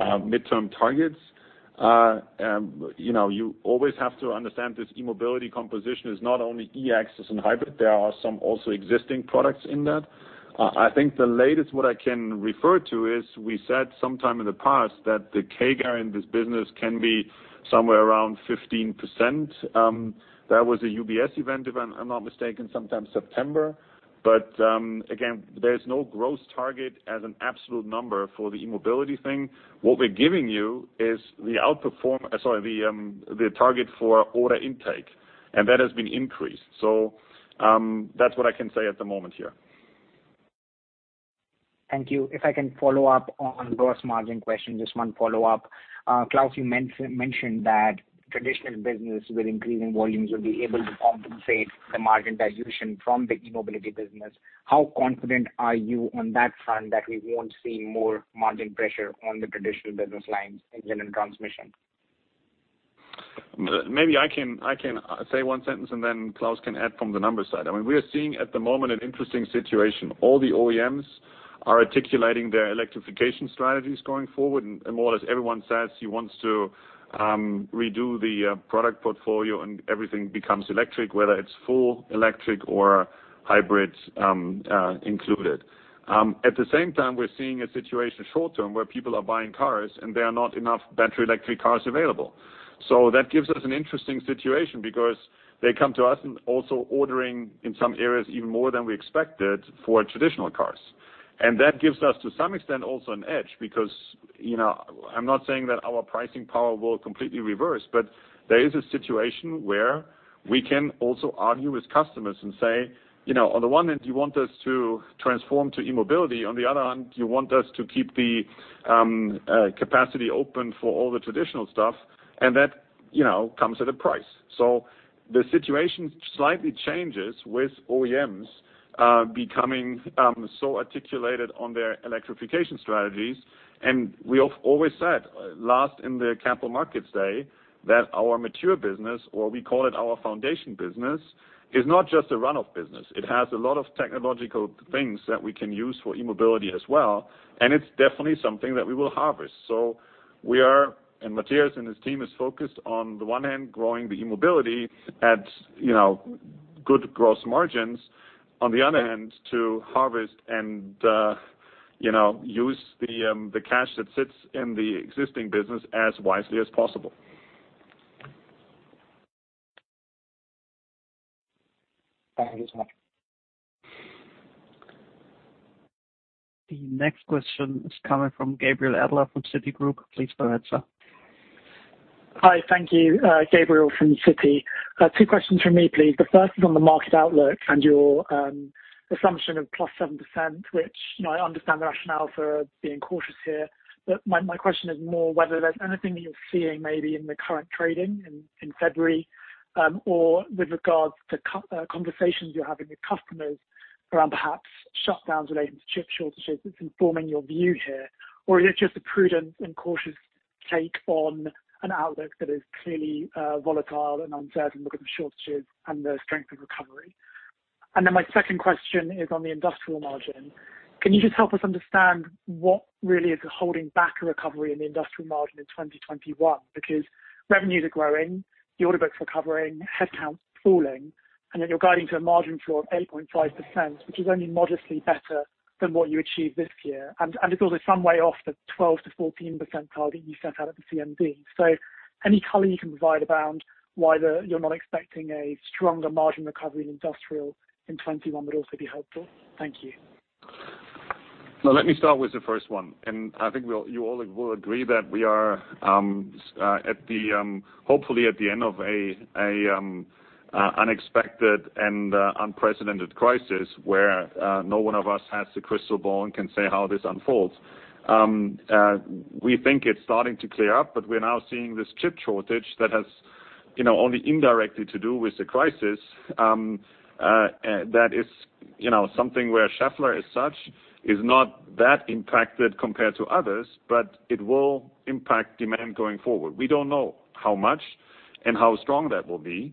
midterm targets. You always have to understand this E-mobility composition is not only E-axle and hybrid. There are some also existing products in that. I think the latest what I can refer to is we said sometime in the past that the CAGR in this business can be somewhere around 15%. That was a UBS event, if I'm not mistaken, sometime September. Again, there is no growth target as an absolute number for the E-mobility thing. What we're giving you is the target for order intake, that has been increased. That's what I can say at the moment here. Thank you, if I can follow up on gross margin question, just one follow-up. Klaus, you mentioned that traditional business with increasing volumes will be able to compensate the margin dilution from the E-mobility business. How confident are you on that front that we won't see more margin pressure on the traditional business lines, engine, and transmission? Maybe I can say one sentence and then Klaus can add from the numbers side. We are seeing at the moment an interesting situation. All the OEMs are articulating their electrification strategies going forward. More or less everyone says he wants to redo the product portfolio, and everything becomes electric, whether it's full electric or hybrids included. At the same time, we're seeing a situation short term where people are buying cars and there are not enough battery electric cars available. That gives us an interesting situation because they come to us and also ordering in some areas even more than we expected for traditional cars. That gives us to some extent, also an edge because, I am not saying that our pricing power will completely reverse, but there is a situation where we can also argue with customers and say, on the one end, you want us to transform to E-mobility, on the other end, you want us to keep the capacity open for all the traditional stuff, and that comes at a price. The situation slightly changes with OEMs becoming so articulated on their electrification strategies, and we have always said, last in the Capital Markets Day, that our mature business, or we call it our foundation business, is not just a run-off business. It has a lot of technological things that we can use for E-mobility as well, and it is definitely something that we will harvest. We are, and Matthias and his team is focused on the one hand growing the E-mobility at good gross margins, on the other hand, to harvest and use the cash that sits in the existing business as wisely as possible. Thank you so much. The next question is coming from Gabriel Adler from Citigroup, please go ahead, sir. Hi, thank you, Gabriel from Citi. Two questions from me, please, the first is on the market outlook and your assumption of +7%, which I understand the rationale for being cautious here. My question is more whether there's anything that you're seeing maybe in the current trading in February, or with regards to conversations you're having with customers around perhaps shutdowns relating to chip shortages that's informing your view here, or is it just a prudent and cautious take on an outlook that is clearly volatile and uncertain because of shortages and the strength of recovery? My second question is on the industrial margin. Can you just help us understand what really is holding back a recovery in the industrial margin in 2021? Because revenues are growing, the order book's recovering, headcount's falling, and yet you're guiding to a margin floor of 8.5%, which is only modestly better than what you achieved this year. It's also some way off the 12%-14% target you set out at the CMD. Any color you can provide around why you're not expecting a stronger margin recovery in industrial in 2021 would also be helpful? Thank you. No, let me start with the first one, and I think you all will agree that we are hopefully at the end of an unexpected and unprecedented crisis where no one of us has the crystal ball and can say how this unfolds. We think it's starting to clear up, but we're now seeing this chip shortage that has only indirectly to do with the crisis, that is something where Schaeffler as such, is not that impacted compared to others, but it will impact demand going forward. We don't know how much and how strong that will be.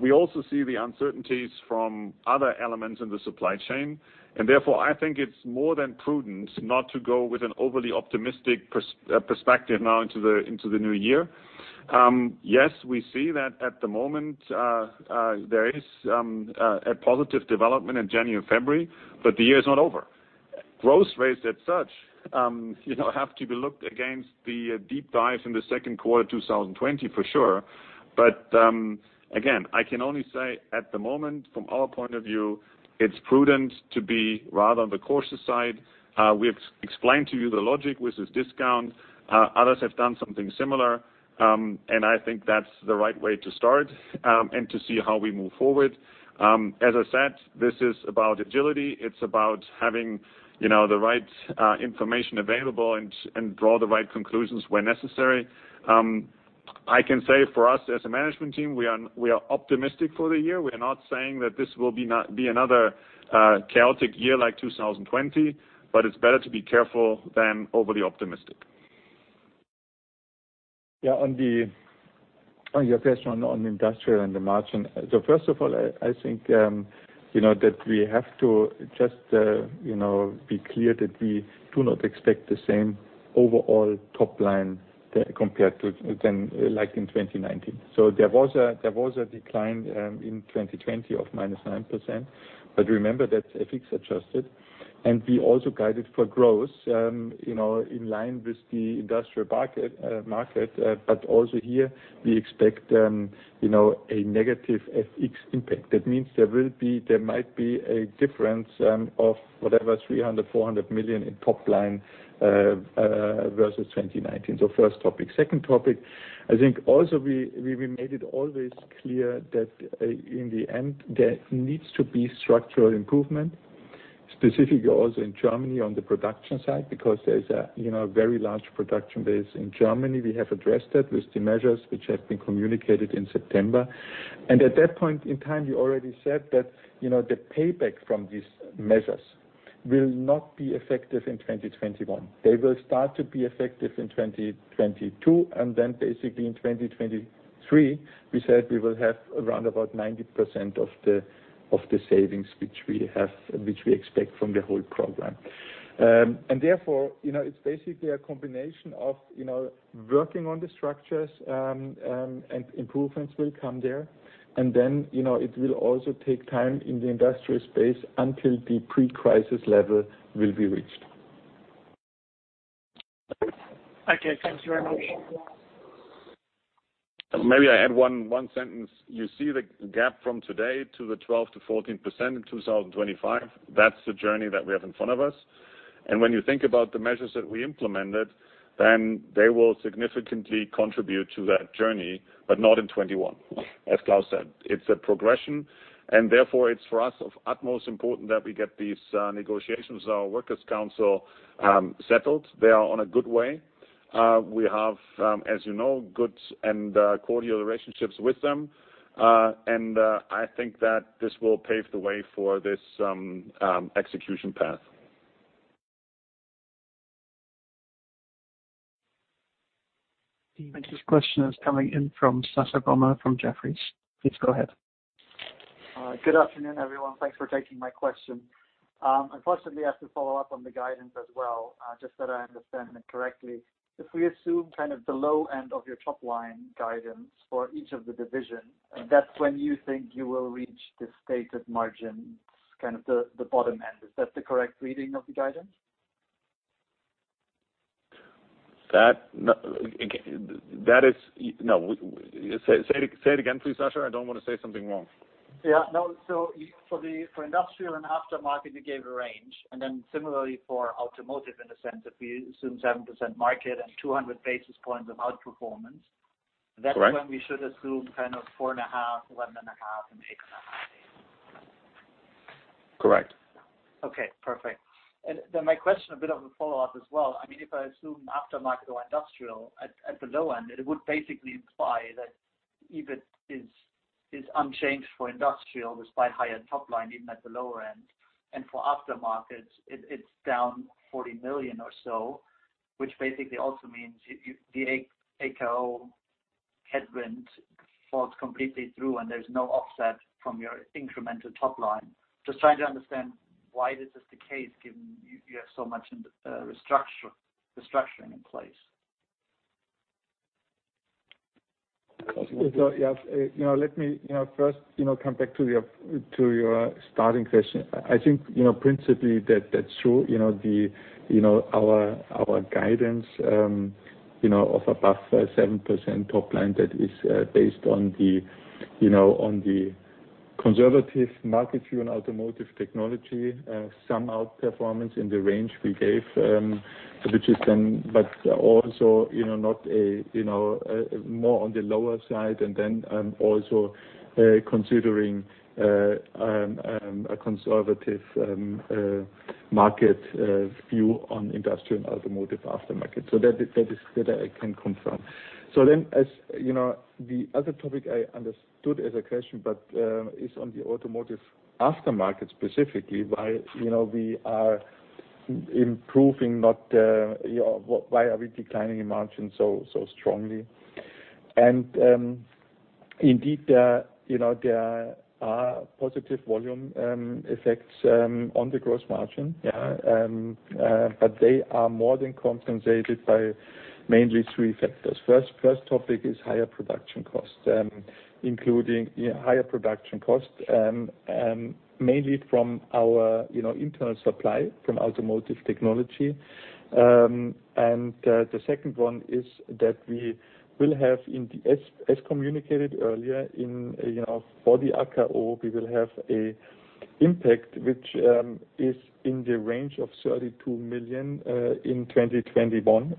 We also see the uncertainties from other elements in the supply chain. Therefore, I think it's more than prudent not to go with an overly optimistic perspective now into the new year. We see that at the moment, there is a positive development in January and February, but the year is not over. Growth rates as such, have to be looked against the deep dive in the second quarter 2020, for sure. Again, I can only say at the moment, from our point of view, it's prudent to be rather on the cautious side. We have explained to you the logic with this discount. Others have done something similar. I think that's the right way to start, and to see how we move forward. As I said, this is about agility. It's about having the right information available and draw the right conclusions where necessary. I can say for us as a management team, we are optimistic for the year. We're not saying that this will be another chaotic year like 2020, but it's better to be careful than overly optimistic. Yeah, on your first one on industrial and the margin. First of all, I think that we have to just be clear that we do not expect the same overall top line compared to then like in 2019. There was a decline in 2020 of -9%, but remember that FX adjusted, and we also guided for growth in line with the industrial market. Also, here we expect a negative FX impact. That means there might be a difference of whatever, 300 million-400 million in top line versus 2019. First topic. Second topic, I think also we made it always clear that in the end, there needs to be structural improvement Specifically also in Germany on the production side, because there is a very large production base in Germany. We have addressed that with the measures which have been communicated in September. At that point in time, we already said that the payback from these measures will not be effective in 2021. They will start to be effective in 2022, and then basically in 2023, we said we will have around about 90% of the savings which we expect from the whole program. Therefore, it's basically a combination of working on the structures, and improvements will come there. Then, it will also take time in the industrial space until the pre-crisis level will be reached. Okay, thanks very much. Maybe I add one sentence, you see the gap from today to the 12%-14% in 2025. That's the journey that we have in front of us. When you think about the measures that we implemented, then they will significantly contribute to that journey, but not in 2021. As Klaus said, it's a progression. Therefore, it's for us of utmost importance that we get these negotiations with our workers council settled. They are on a good way. We have, as you know, good and cordial relationships with them. I think that this will pave the way for this execution path. The next question is coming in from Sascha Gommel from Jefferies, please go ahead. Good afternoon, everyone, thanks for taking my question. Unfortunately, I have to follow up on the guidance as well, just that I understand it correctly. If we assume the low end of your top line guidance for each of the divisions, that is when you think you will reach the stated margins, the bottom end. Is that the correct reading of the guidance? No, say it again, please, Sascha. I don't want to say something wrong. Yeah, for Industrial and Aftermarket, you gave a range. Similarly for Automotive, in the sense if we assume 7% market and 200 basis points of outperformance. Correct. That's when we should assume kind of 4.5%, 11.5%, and 8.5%. Correct. Okay, perfect. My question, a bit of a follow-up as well. If I assume Aftermarket or Industrial at the low end, it would basically imply that EBIT is unchanged for Industrial, despite higher top line, even at the lower end. For Aftermarket, it's down 40 million or so, which basically also means the AKO headwind falls completely through and there's no offset from your incremental top line. Just trying to understand why this is the case, given you have so much restructuring in place. Let me first come back to your starting question. I think, principally, that's true. Our guidance of above 7% top line, that is based on the conservative market view on Automotive Technologies, some outperformance in the range we gave. Also more on the lower side, also considering a conservative market view on Industrial and Automotive Aftermarket, that I can confirm. The other topic I understood as a question, is on the Automotive Aftermarket specifically. Why are we declining in margin so strongly? Indeed, there are positive volume effects on the gross margin. They are more than compensated by mainly three factors. First topic is higher production costs. Including higher production costs mainly from our internal supply from Automotive Technologies. The second one is that we will have, as communicated earlier for the AKO, we will have an impact, which is in the range of 32 million in 2021.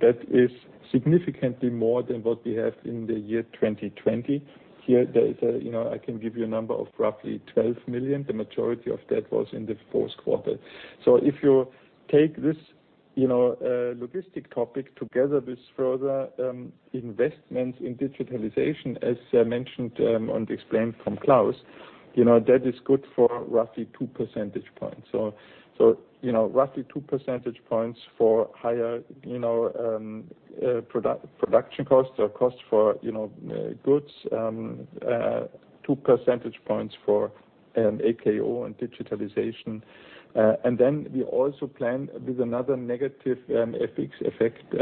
That is significantly more than what we have in the year 2020. Here, I can give you a number of roughly 12 million. The majority of that was in the fourth quarter. If you take this logistic topic together with further investments in digitalization, as mentioned and explained from Klaus, that is good for roughly two percentage points. Roughly two percentage points for higher production costs or costs for goods, two percentage points for AKO and digitalization. Then we also plan with another negative FX effect,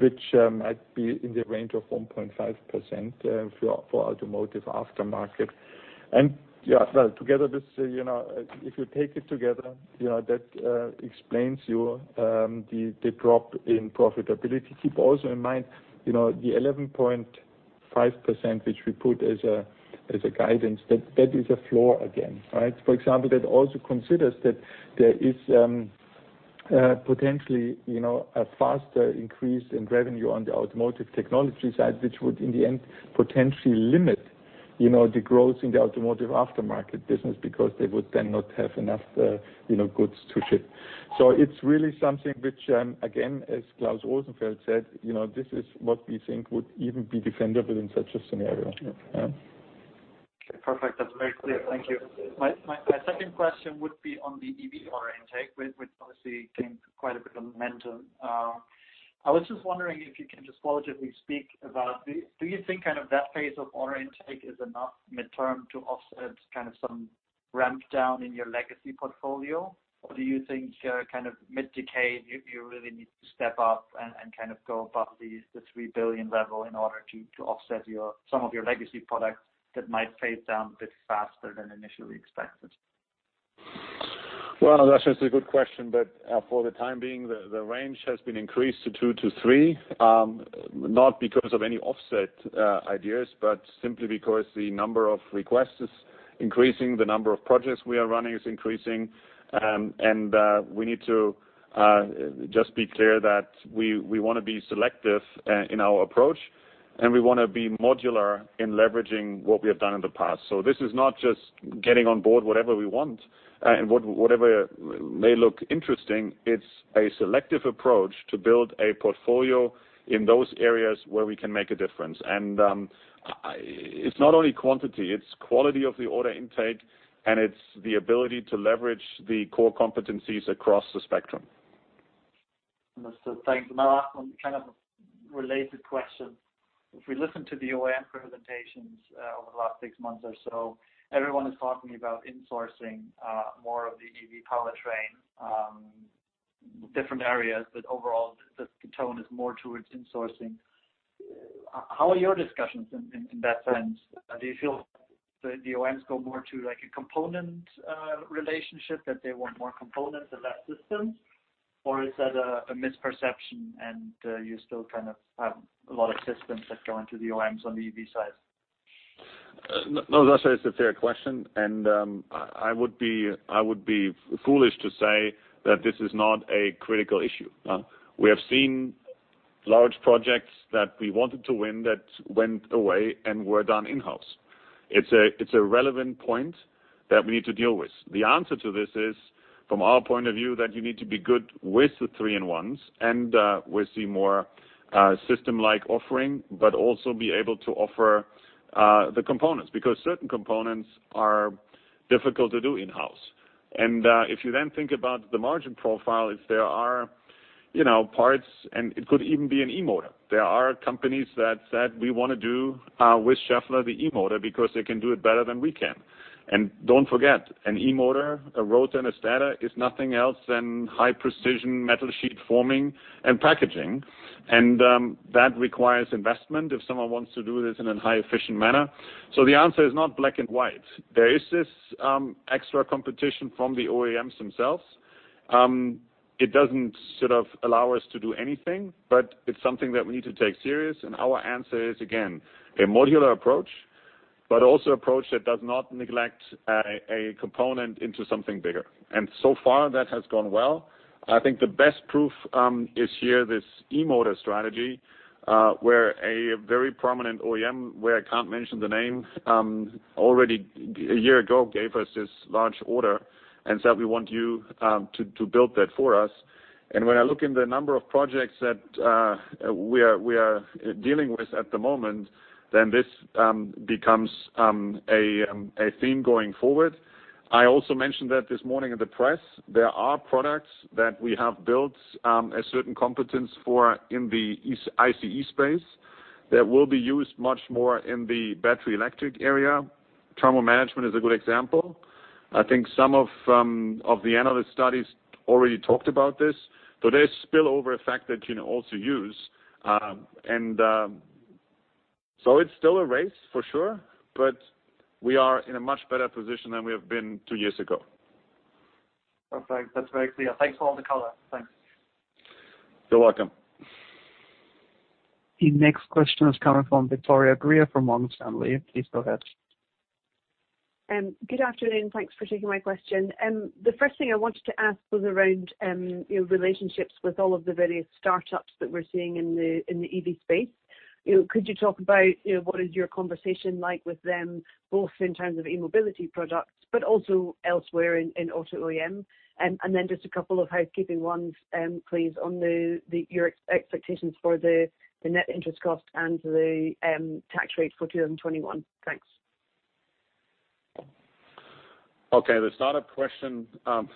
which might be in the range of 1.5% for Automotive Aftermarket. If you take it together, that explains to you the drop in profitability. Keep also in mind, the 11.5%, which we put as a guidance, that is a floor again, right? For example, that also considers that there is potentially, a faster increase in revenue on the Automotive Technologies side, which would, in the end, potentially limit the growth in the Automotive Aftermarket business because they would then not have enough goods to ship. It's really something which, again, as Klaus Rosenfeld said, this is what we think would even be defendable in such a scenario. Okay, perfect, that's very clear, thank you. My second question would be on the EV order intake, which obviously gained quite a bit of momentum. I was just wondering if you can just qualitatively speak about, do you think that phase of order intake is enough midterm to offset some ramp down in your legacy portfolio? Or do you think mid-decade, you really need to step up and go above the 3 billion level in order to offset some of your legacy products that might fade down a bit faster than initially expected? Well, that's a good question, but for the time being, the range has been increased to two to three, not because of any offset ideas, but simply because the number of requests is increasing, the number of projects we are running is increasing. And we need to just be clear that we want to be selective in our approach, and we want to be modular in leveraging what we have done in the past. So, this is not just getting on board whatever we want and whatever may look interesting. It's a selective approach to build a portfolio in those areas where we can make a difference. And it's not only quantity, it's quality of the order intake, and it's the ability to leverage the core competencies across the spectrum. Thanks, my last one, kind of a related question. If we listen to the OEM presentations over the last six months or so, everyone is talking about insourcing more of the EV powertrain, different areas, but overall, the tone is more towards insourcing. How are your discussions in that sense? Do you feel the OEMs go more to a component relationship, that they want more components and less systems? Or is that a misperception and you still have a lot of systems that go into the OEMs on the EV side? No, that's a fair question, I would be foolish to say that this is not a critical issue. We have seen large projects that we wanted to win that went away and were done in-house. It's a relevant point that we need to deal with. The answer to this is, from our point of view, that you need to be good with the three-in-ones and with the more system-like offering, but also be able to offer the components because certain components are difficult to do in-house. If you then think about the margin profile, if there are parts, and it could even be an E-motor. There are companies that said, "We want to do with Schaeffler the E-motor" because they can do it better than we can. Don't forget, an E-motor, a rotor and a stator, is nothing else than high-precision metal sheet forming and packaging. That requires investment if someone wants to do this in a high efficient manner. The answer is not black and white. There is this extra competition from the OEMs themselves. It doesn't allow us to do anything, but it's something that we need to take serious. Our answer is, again, a modular approach, but also approach that does not neglect a component into something bigger. So far, that has gone well. I think the best proof is here, this E-motor strategy, where a very prominent OEM, where I can't mention the name, already a year ago gave us this large order and said, "We want you to build that for us." When I look in the number of projects that we are dealing with at the moment, then this becomes a theme going forward. I also mentioned that this morning at the press, there are products that we have built a certain competence for in the ICE space that will be used much more in the battery electric area. Thermal management is a good example. I think some of the analyst studies already talked about this. There's spillover effect that you can also use. It's still a race, for sure, but we are in a much better position than we have been two years ago. Perfect, that's very clear. Thanks for all the color, thanks. You're welcome. The next question is coming from Victoria Greer from Morgan Stanley, please go ahead. Good afternoon, thanks for taking my question. The first thing I wanted to ask was around your relationships with all of the various startups that we're seeing in the EV space. Could you talk about what is your conversation like with them, both in terms of E-mobility products, but also elsewhere in auto OEM? Just a couple of housekeeping ones, please, on your expectations for the net interest cost and the tax rate for 2021? Thanks. Okay, the startup question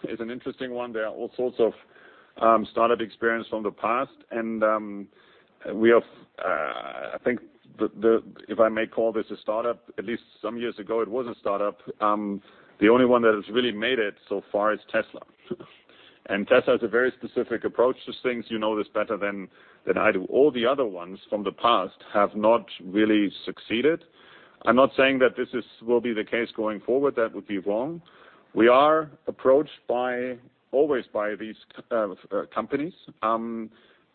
is an interesting one. There are all sorts of startup experience from the past, and I think if I may call this a startup, at least some years ago, it was a startup. The only one that has really made it so far is Tesla. Tesla has a very specific approach to things. You know this better than I do. All the other ones from the past have not really succeeded. I am not saying that this will be the case going forward. That would be wrong. We are approached always by these companies,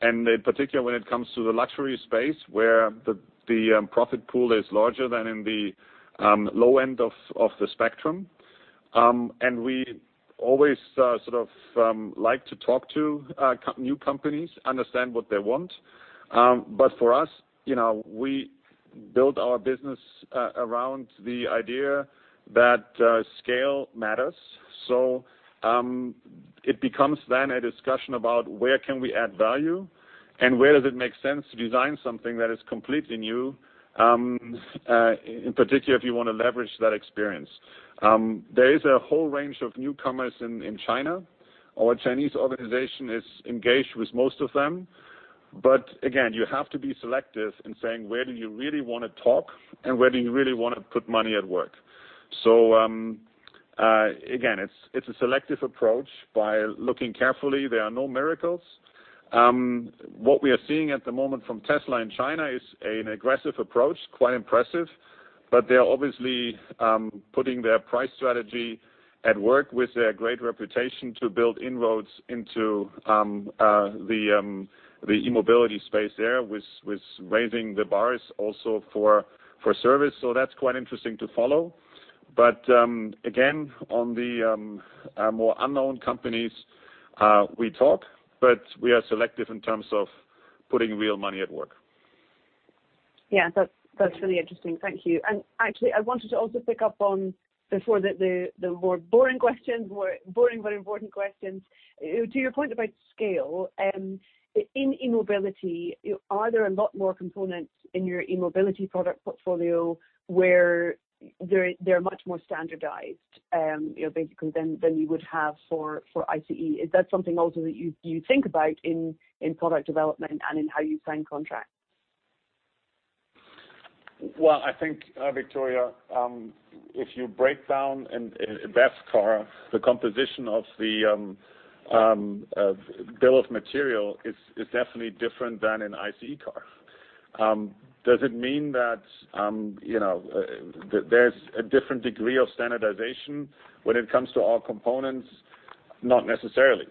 and in particular, when it comes to the luxury space where the profit pool is larger than in the low end of the spectrum. We always like to talk to new companies, understand what they want. For us, we build our business around the idea that scale matters. It becomes then a discussion about where can we add value, and where does it make sense to design something that is completely new, in particular, if you want to leverage that experience. There is a whole range of newcomers in China. Our Chinese organization is engaged with most of them. Again, you have to be selective in saying, where do you really want to talk, and where do you really want to put money at work? Again, it's a selective approach by looking carefully. There are no miracles. What we are seeing at the moment from Tesla in China is an aggressive approach, quite impressive, but they're obviously putting their price strategy at work with their great reputation to build inroads into the E-mobility space there, with raising the bars also for service, that's quite interesting to follow. Again, on the more unknown companies, we talk, but we are selective in terms of putting real money at work. Yeah, that's really interesting, thank you. Actually, I wanted to also pick up on, before the more boring questions, more boring but important questions. To your point about scale, in E-mobility, are there a lot more components in your E-mobility product portfolio where they're much more standardized, basically, than you would have for ICE? Is that something also that you think about in product development and in how you sign contracts? I think, Victoria, if you break down an EV car, the composition of the bill of material is definitely different than an ICE car. Does it mean that there's a different degree of standardization when it comes to all components? Not necessarily.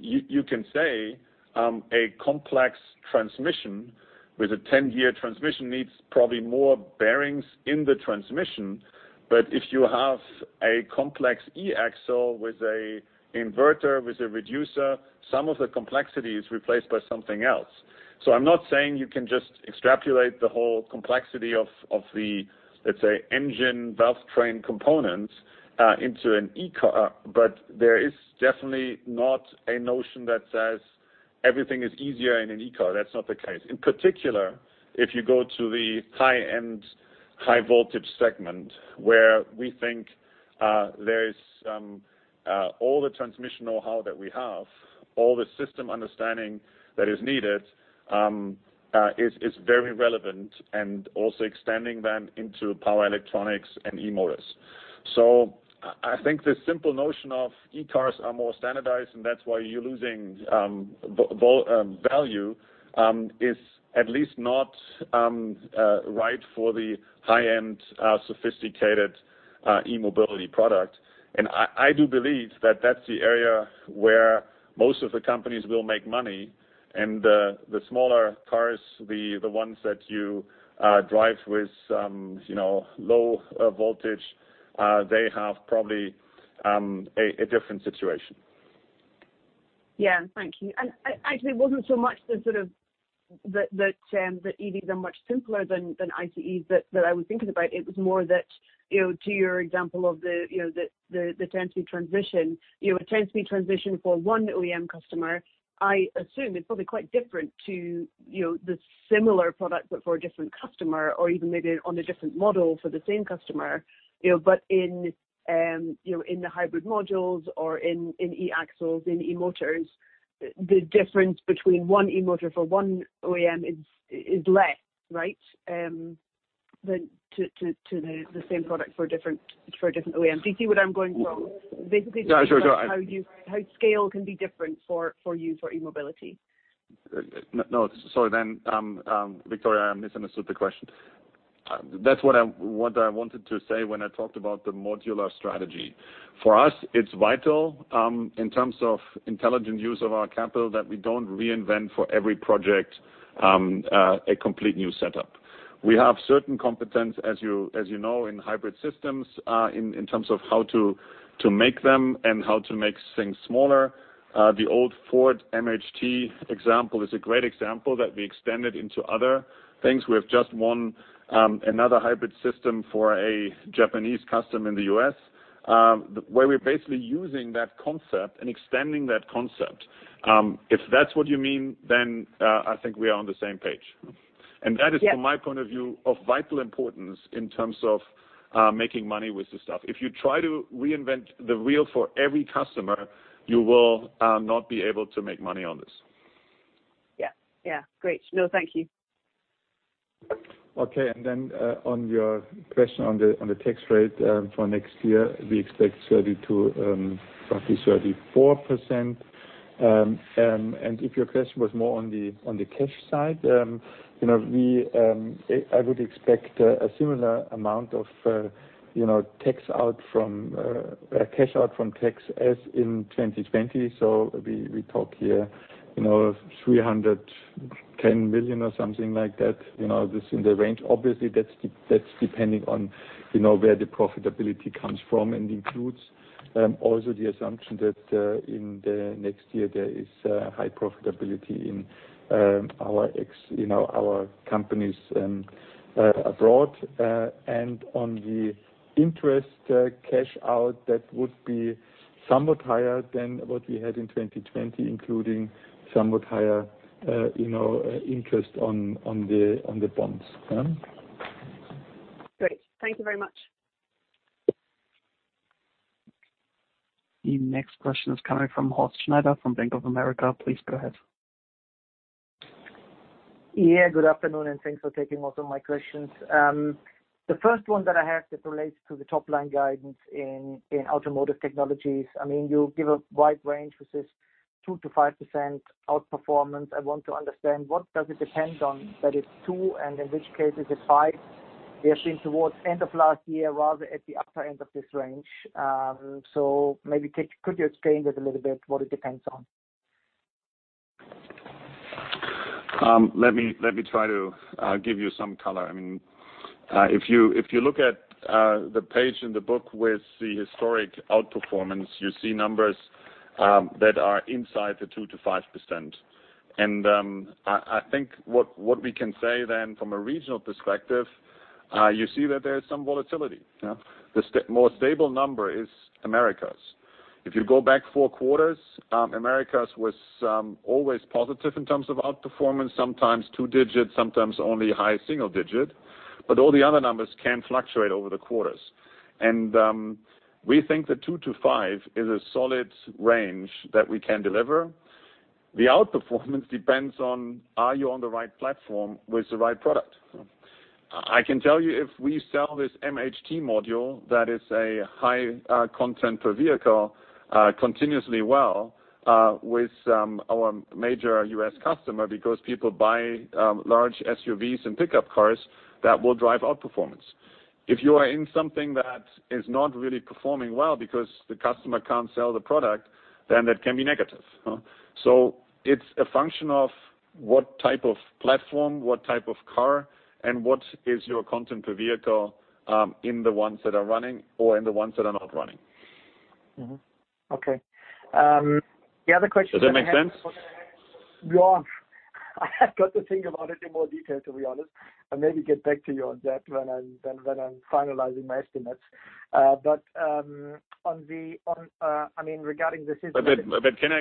You can say a complex transmission with a 10-year transmission needs probably more bearings in the transmission, if you have a complex E-axle with a inverter, with a reducer, some of the complexity is replaced by something else. I'm not saying you can just extrapolate the whole complexity of the, let's say, engine valve train components into an e-car, there is definitely not a notion that says everything is easier in an e-car, that's not the case. In particular, if you go to the high-end, high-voltage segment, where we think there is all the transmission know-how that we have, all the system understanding that is needed, is very relevant, and also extending them into power electronics and E-motors. I think the simple notion of e-cars are more standardized and that's why you're losing value is at least not right for the high-end sophisticated E-mobility product. And I do believe that that's the area where most of the companies will make money, and the smaller cars, the ones that you drive with low voltage, they have probably a different situation. Yeah, thank you. Actually, it wasn't so much the EVs are much simpler than ICEs that I was thinking about. It was more that, to your example of the 10-speed transition. A 10-speed transition for one OEM customer, I assume it's probably quite different to the similar product but for a different customer or even maybe on a different model for the same customer. In the hybrid modules or in e-axles, in e-motors, the difference between one e-motor for one OEM is less, than to the same product for a different OEM. Do you see where I'm going from? Yeah, sure. Basically just thinking about how scale can be different for you for E-mobility. Sorry, Victoria, I misunderstood the question. That's what I wanted to say when I talked about the modular strategy. For us, it's vital in terms of intelligent use of our capital that we don't reinvent for every project a complete new setup. We have certain competence, as you know, in hybrid systems, in terms of how to make them and how to make things smaller. The old Ford MHT example is a great example that we extended into other things. We have just won another hybrid system for a Japanese customer in the U.S., where we're basically using that concept and extending that concept. If that's what you mean, I think we are on the same page. Yeah. That is, from my point of view, of vital importance in terms of making money with this stuff. If you try to reinvent the wheel for every customer, you will not be able to make money on this. Yeah, great. No, thank you. Okay, then on your question on the tax rate for next year, we expect 32%, roughly 34%. If your question was more on the cash side, I would expect a similar amount of cash out from tax as in 2020. We talk here, 310 million or something like that, this in the range. Obviously, that's depending on where the profitability comes from, and includes also the assumption that in the next year there is high profitability in our companies abroad. On the interest cash out, that would be somewhat higher than what we had in 2020, including somewhat higher interest on the bonds. Great, thank you very much. The next question is coming from Horst Schneider from Bank of America, please go ahead. Yeah, good afternoon, and thanks for taking most of my questions. The first one that I have that relates to the top-line guidance in Automotive Technologies. You give a wide range, which is 2%-5% outperformance. I want to understand what does it depend on that it's two, and in which case is it five? We have been towards end of last year, rather at the upper end of this range. Maybe could you explain it a little bit, what it depends on? Let me try to give you some color. If you look at the page in the book with the historic outperformance, you see numbers that are inside the 2%- 5%. I think what we can say then from a regional perspective, you see that there is some volatility. The more stable number is Americas. If you go back four quarters, Americas was always positive in terms of outperformance, sometimes two digits, sometimes only high single digit. All the other numbers can fluctuate over the quarters. We think that two to five is a solid range that we can deliver. The outperformance depends on, are you on the right platform with the right product? I can tell you if we sell this MHT module, that is a high content per vehicle continuously well with our major U.S. customer because people buy large SUVs and pickup cars, that will drive outperformance. If you are in something that is not really performing well because the customer can't sell the product, then that can be negative. It's a function of what type of platform, what type of car, and what is your content per vehicle in the ones that are running or in the ones that are not running. Mm-hmm, okay. The other question- Does that make sense? Yeah, I have got to think about it in more detail, to be honest, and maybe get back to you on that when I'm finalizing my estimates.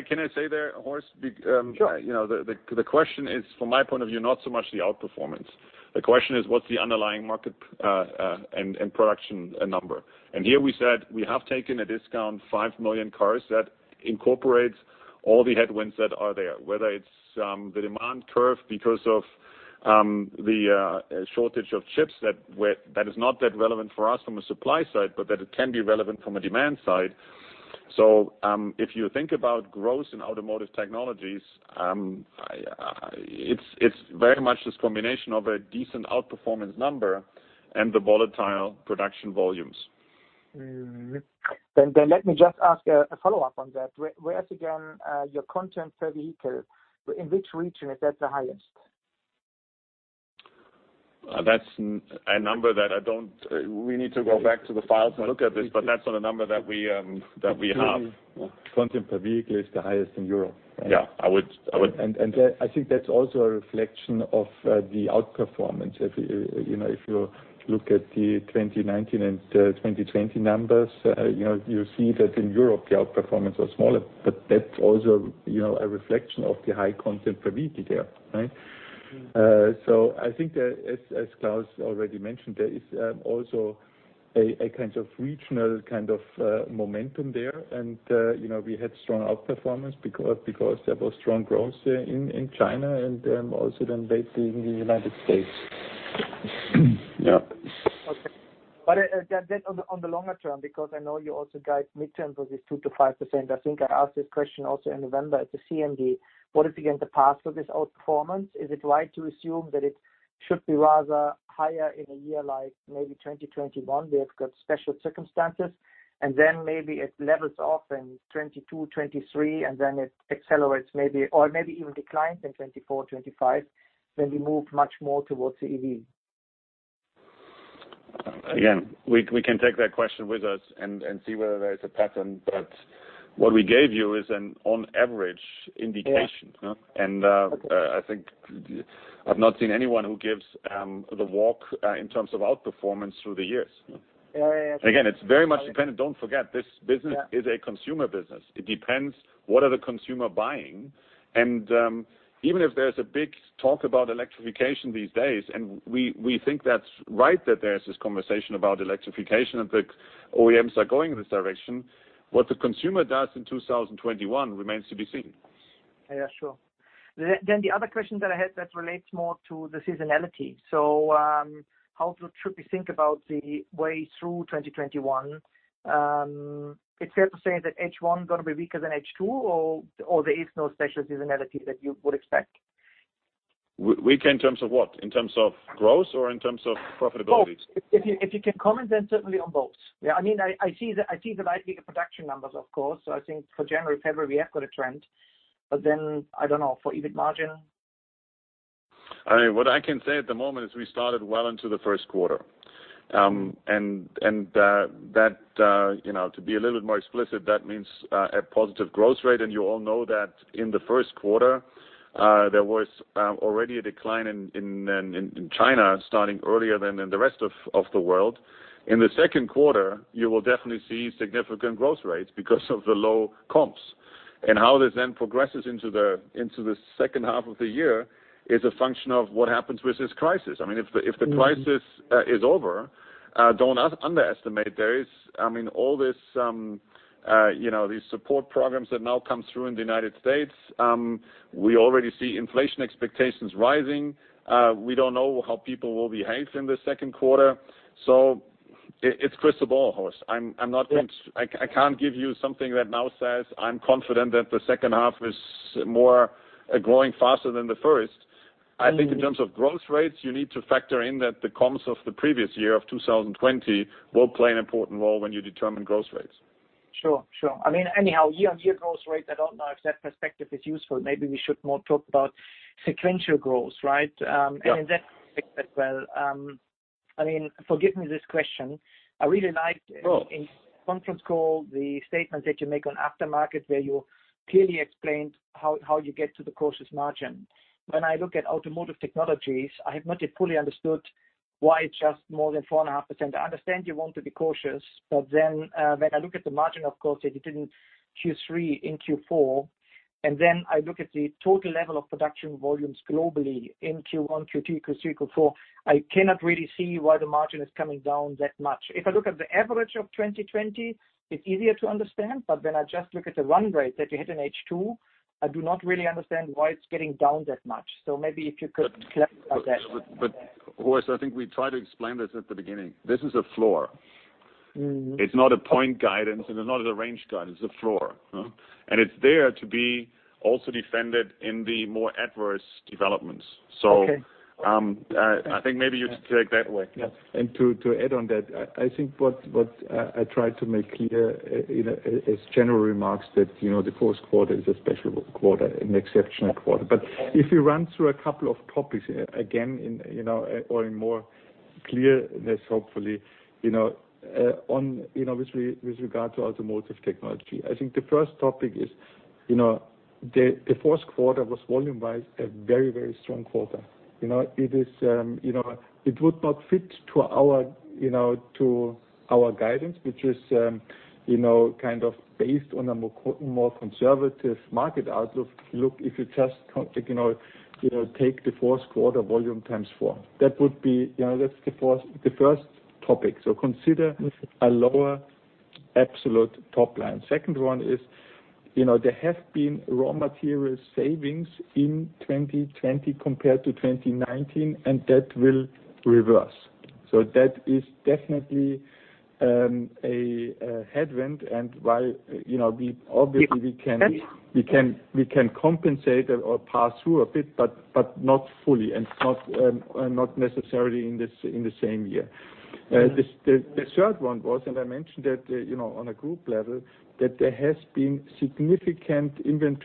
Can I say there, Horst? Sure. The question is, from my point of view, not so much the outperformance. The question is what's the underlying market and production number. Here we said we have taken a discount, 5 million cars, that incorporates all the headwinds that are there, whether it's the demand curve because of the shortage of chips, that is not that relevant for us from a supply side, but that it can be relevant from a demand side. If you think about growth in Automotive Technologies, it's very much this combination of a decent outperformance number and the volatile production volumes. Let me just ask a follow-up on that. Where is, again, your content per vehicle? In which region is that the highest? That's a number that we need to go back to the files and look at this, but that's not a number that we have. Content per vehicle is the highest in Europe. Yeah, I think that's also a reflection of the outperformance. If you look at the 2019 and 2020 numbers, you see that in Europe the outperformance was smaller. That's also a reflection of the high content per vehicle there, right? I think that, as Klaus already mentioned, there is also a regional kind of momentum there. We had strong outperformance because there was strong growth in China and also lately in the United States, yeah. Okay. On the longer term, because I know you also guide midterm for this 2%-5%. I think I asked this question also in November at the CMD. What is, again, the path for this outperformance? Is it right to assume that it should be rather higher in a year like maybe 2021? We have got special circumstances, and then maybe it levels off in 2022, 2023, and then it accelerates maybe, or maybe even declines in 2024, 2025, when we move much more towards EV. We can take that question with us and see whether there is a pattern. What we gave you is an on average indication. Yeah, okay. I think I've not seen anyone who gives the walk in terms of outperformance through the years. Yeah. Again, it's very much dependent. Don't forget, this business is a consumer business. It depends what are the consumer buying, and even if there's a big talk about electrification these days, and we think that's right that there's this conversation about electrification and the OEMs are going this direction. What the consumer does in 2021 remains to be seen. Yeah, sure. The other question that I had that relates more to the seasonality. How should we think about the way through 2021? It's fair to say that H1 is going to be weaker than H2, or there is no special seasonality that you would expect? Weak in terms of what? In terms of growth or in terms of profitability? If you can comment, then certainly on both. I see the likely production numbers, of course. I think for January, February, we have got a trend, I don't know, for EBIT margin? What I can say at the moment is we started well into the first quarter. To be a little bit more explicit, that means a positive growth rate. You all know that in the first quarter, there was already a decline in China starting earlier than in the rest of the world. In the second quarter, you will definitely see significant growth rates because of the low comps. How this then progresses into the second half of the year is a function of what happens with this crisis. If the crisis is over, don't underestimate all these support programs that now come through in the United States. We already see inflation expectations rising. We don't know how people will behave in the second quarter. It's crystal ball, Horst. I can't give you something that now says, I'm confident that the second half is growing faster than the first. I think in terms of growth rates, you need to factor in that the comps of the previous year of 2020 will play an important role when you determine growth rates. Sure, year-on-year growth rate, I don't know if that perspective is useful. Maybe we should more talk about sequential growth, right? Yeah. In that respect as well, forgive me this question- Sure.... in conference call the statement that you make on Automotive Aftermarket, where you clearly explained how you get to the cautious margin. When I look at Automotive Technologies, I have not yet fully understood why it's just more than 4.5%. I understand you want to be cautious, but then when I look at the margin, of course, that you did in Q3, in Q4, and then I look at the total level of production volumes globally in Q1, Q2, Q3, Q4, I cannot really see why the margin is coming down that much. If I look at the average of 2020, it's easier to understand, but when I just look at the run rate that you hit in H2, I do not really understand why it's getting down that much. Maybe if you could clarify that. Horst, I think we tried to explain this at the beginning. This is a floor. It's not a point guidance and not a range guidance, it's a floor. It's there to be also defended in the more adverse developments. Okay. I think maybe you take that away. Yeah. To add on that, I think what I tried to make clear in its general remarks that the fourth quarter is a special quarter and exceptional quarter. If we run through a couple of topics again, or in more clearness, hopefully, with regard to Automotive Technologies. I think the first topic is the fourth quarter was volume-wise a very, very strong quarter. It would not fit to our guidance, which is based on a more conservative market outlook. If you just take the fourth quarter volume times four, that's the first topic. Consider a lower absolute top line. Second one is there have been raw material savings in 2020 compared to 2019, and that will reverse. That is definitely a headwind. While obviously we can compensate or pass through a bit, but not fully and not necessarily in the same year. The third one was, I mentioned that on a group level, that there has been significant sale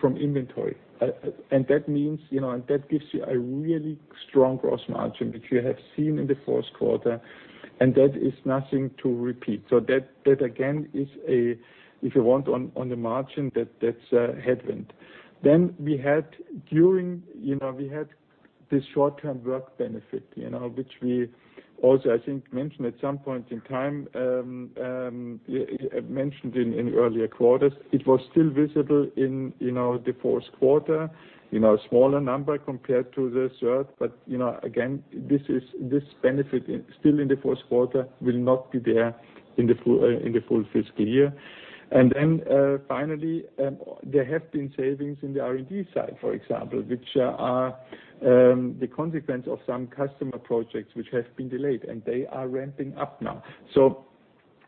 from inventory. That gives you a really strong gross margin, which you have seen in the fourth quarter, and that is nothing to repeat. That, again, if you want on the margin, that's a headwind. We had this short-term work benefit, which we also, I think, mentioned at some point in time, mentioned in earlier quarters. It was still visible in the fourth quarter, smaller number compared to the third. Again, this benefit still in the fourth quarter will not be there in the full fiscal year. Finally, there have been savings in the R&D side, for example, which are the consequence of some customer projects which have been delayed, and they are ramping up now.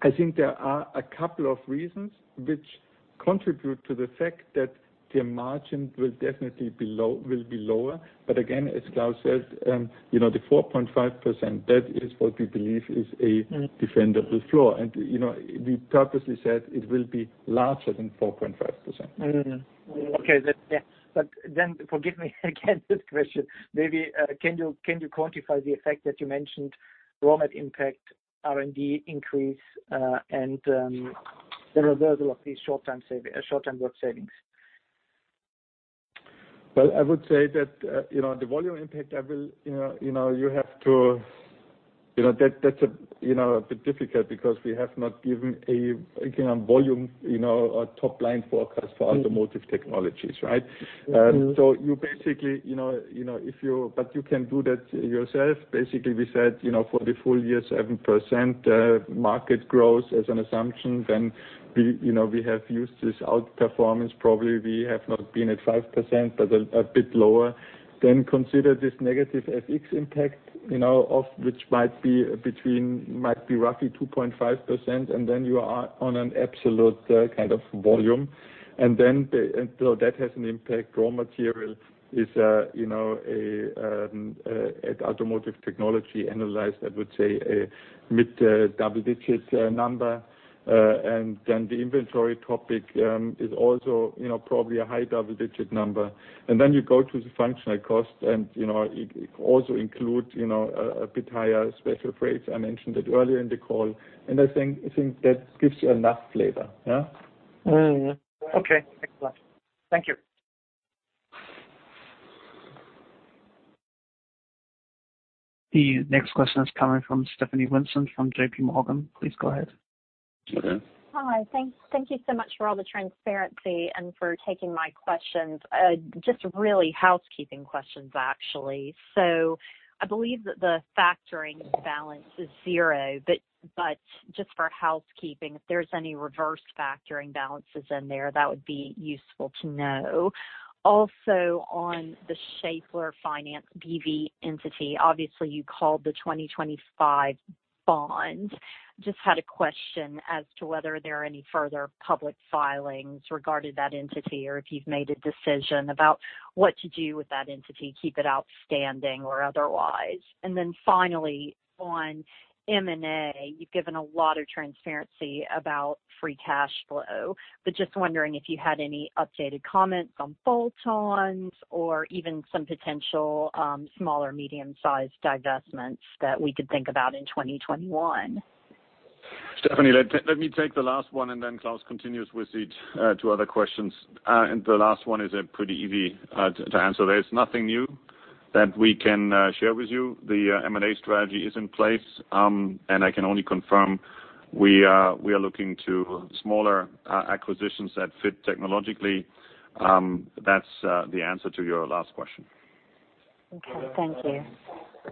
I think there are a couple of reasons which contribute to the fact that the margin will definitely be lower. Again, as Klaus says, the 4.5%, that is what we believe is a defendable floor. We purposely said it will be larger than 4.5%. Okay, forgive me again, this question. Maybe can you quantify the effect that you mentioned raw mat impact, R&D increase, and the reversal of these short-term work savings? Well, I would say that's a bit difficult because we have not given a volume or top-line forecast for Automotive Technologies, right? You can do that yourself. We said, for the full year, 7% market growth as an assumption, we have used this outperformance. Probably we have not been at 5%, but a bit lower. Consider this negative FX impact, of which might be roughly 2.5%, you are on an absolute kind of volume. That has an impact. Raw material is, at Automotive Technologies annualized, I would say, a mid-double-digit number. The inventory topic is also probably a high double-digit number. You go to the functional cost, it also includes a bit higher special freight. I mentioned it earlier in the call. I think that gives you enough flavor, yeah? Yeah, okay. Excellent, thank you. The next question is coming from Stephanie Vincent from J.P. Morgan, please go ahead. Hi, thank you so much for all the transparency and for taking my questions. Just really housekeeping questions, actually. I believe that the factoring balance is zero, but just for housekeeping, if there's any reverse factoring balances in there, that would be useful to know. Also, on the Schaeffler Finance B.V. entity, obviously you called the 2025 bond. Just had a question as to whether there are any further public filings regarding that entity, or if you've made a decision about what to do with that entity, keep it outstanding or otherwise. Finally, on M&A, you've given a lot of transparency about free cash flow, but just wondering if you had any updated comments on bolt-ons or even some potential small or medium-sized divestments that we could think about in 2021. Stephanie, let me take the last one, and then Klaus continues with the two other questions. The last one is pretty easy to answer. There is nothing new that we can share with you. The M&A strategy is in place, and I can only confirm we are looking to smaller acquisitions that fit technologically. That's the answer to your last question. Okay, thank you.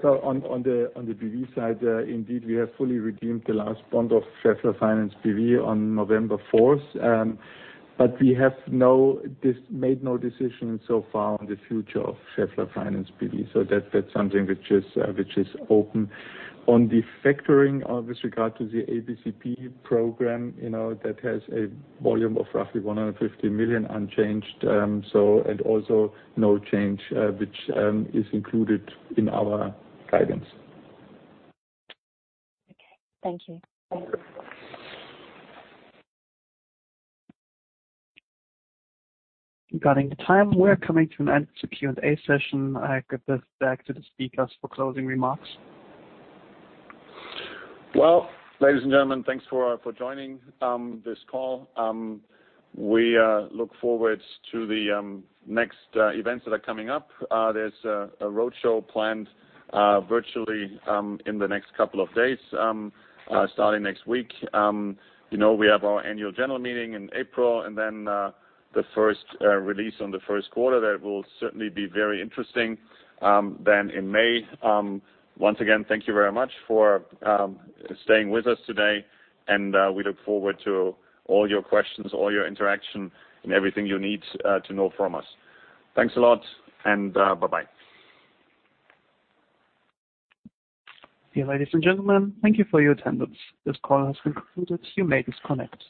On the B.V. side, indeed, we have fully redeemed the last bond of Schaeffler Finance B.V. on November fourth. We have made no decision so far on the future of Schaeffler Finance B.V., so that is something which is open. On the factoring, with regard to the ABCP program, that has a volume of roughly 150 million unchanged, and also no change, which is included in our guidance. Okay, thank you. Regarding the time, we're coming to an end to Q&A session. I give this back to the speakers for closing remarks. Well, ladies and gentlemen, thanks for joining this call. We look forward to the next events that are coming up. There's a roadshow planned virtually in the next couple of days, starting next week. We have our annual general meeting in April, and then the first release on the first quarter. That will certainly be very interesting. In May, once again, thank you very much for staying with us today, and we look forward to all your questions, all your interaction, and everything you need to know from us. Thanks a lot, and bye-bye. Dear ladies and gentlemen, thank you for your attendance. This call has concluded, you may disconnect.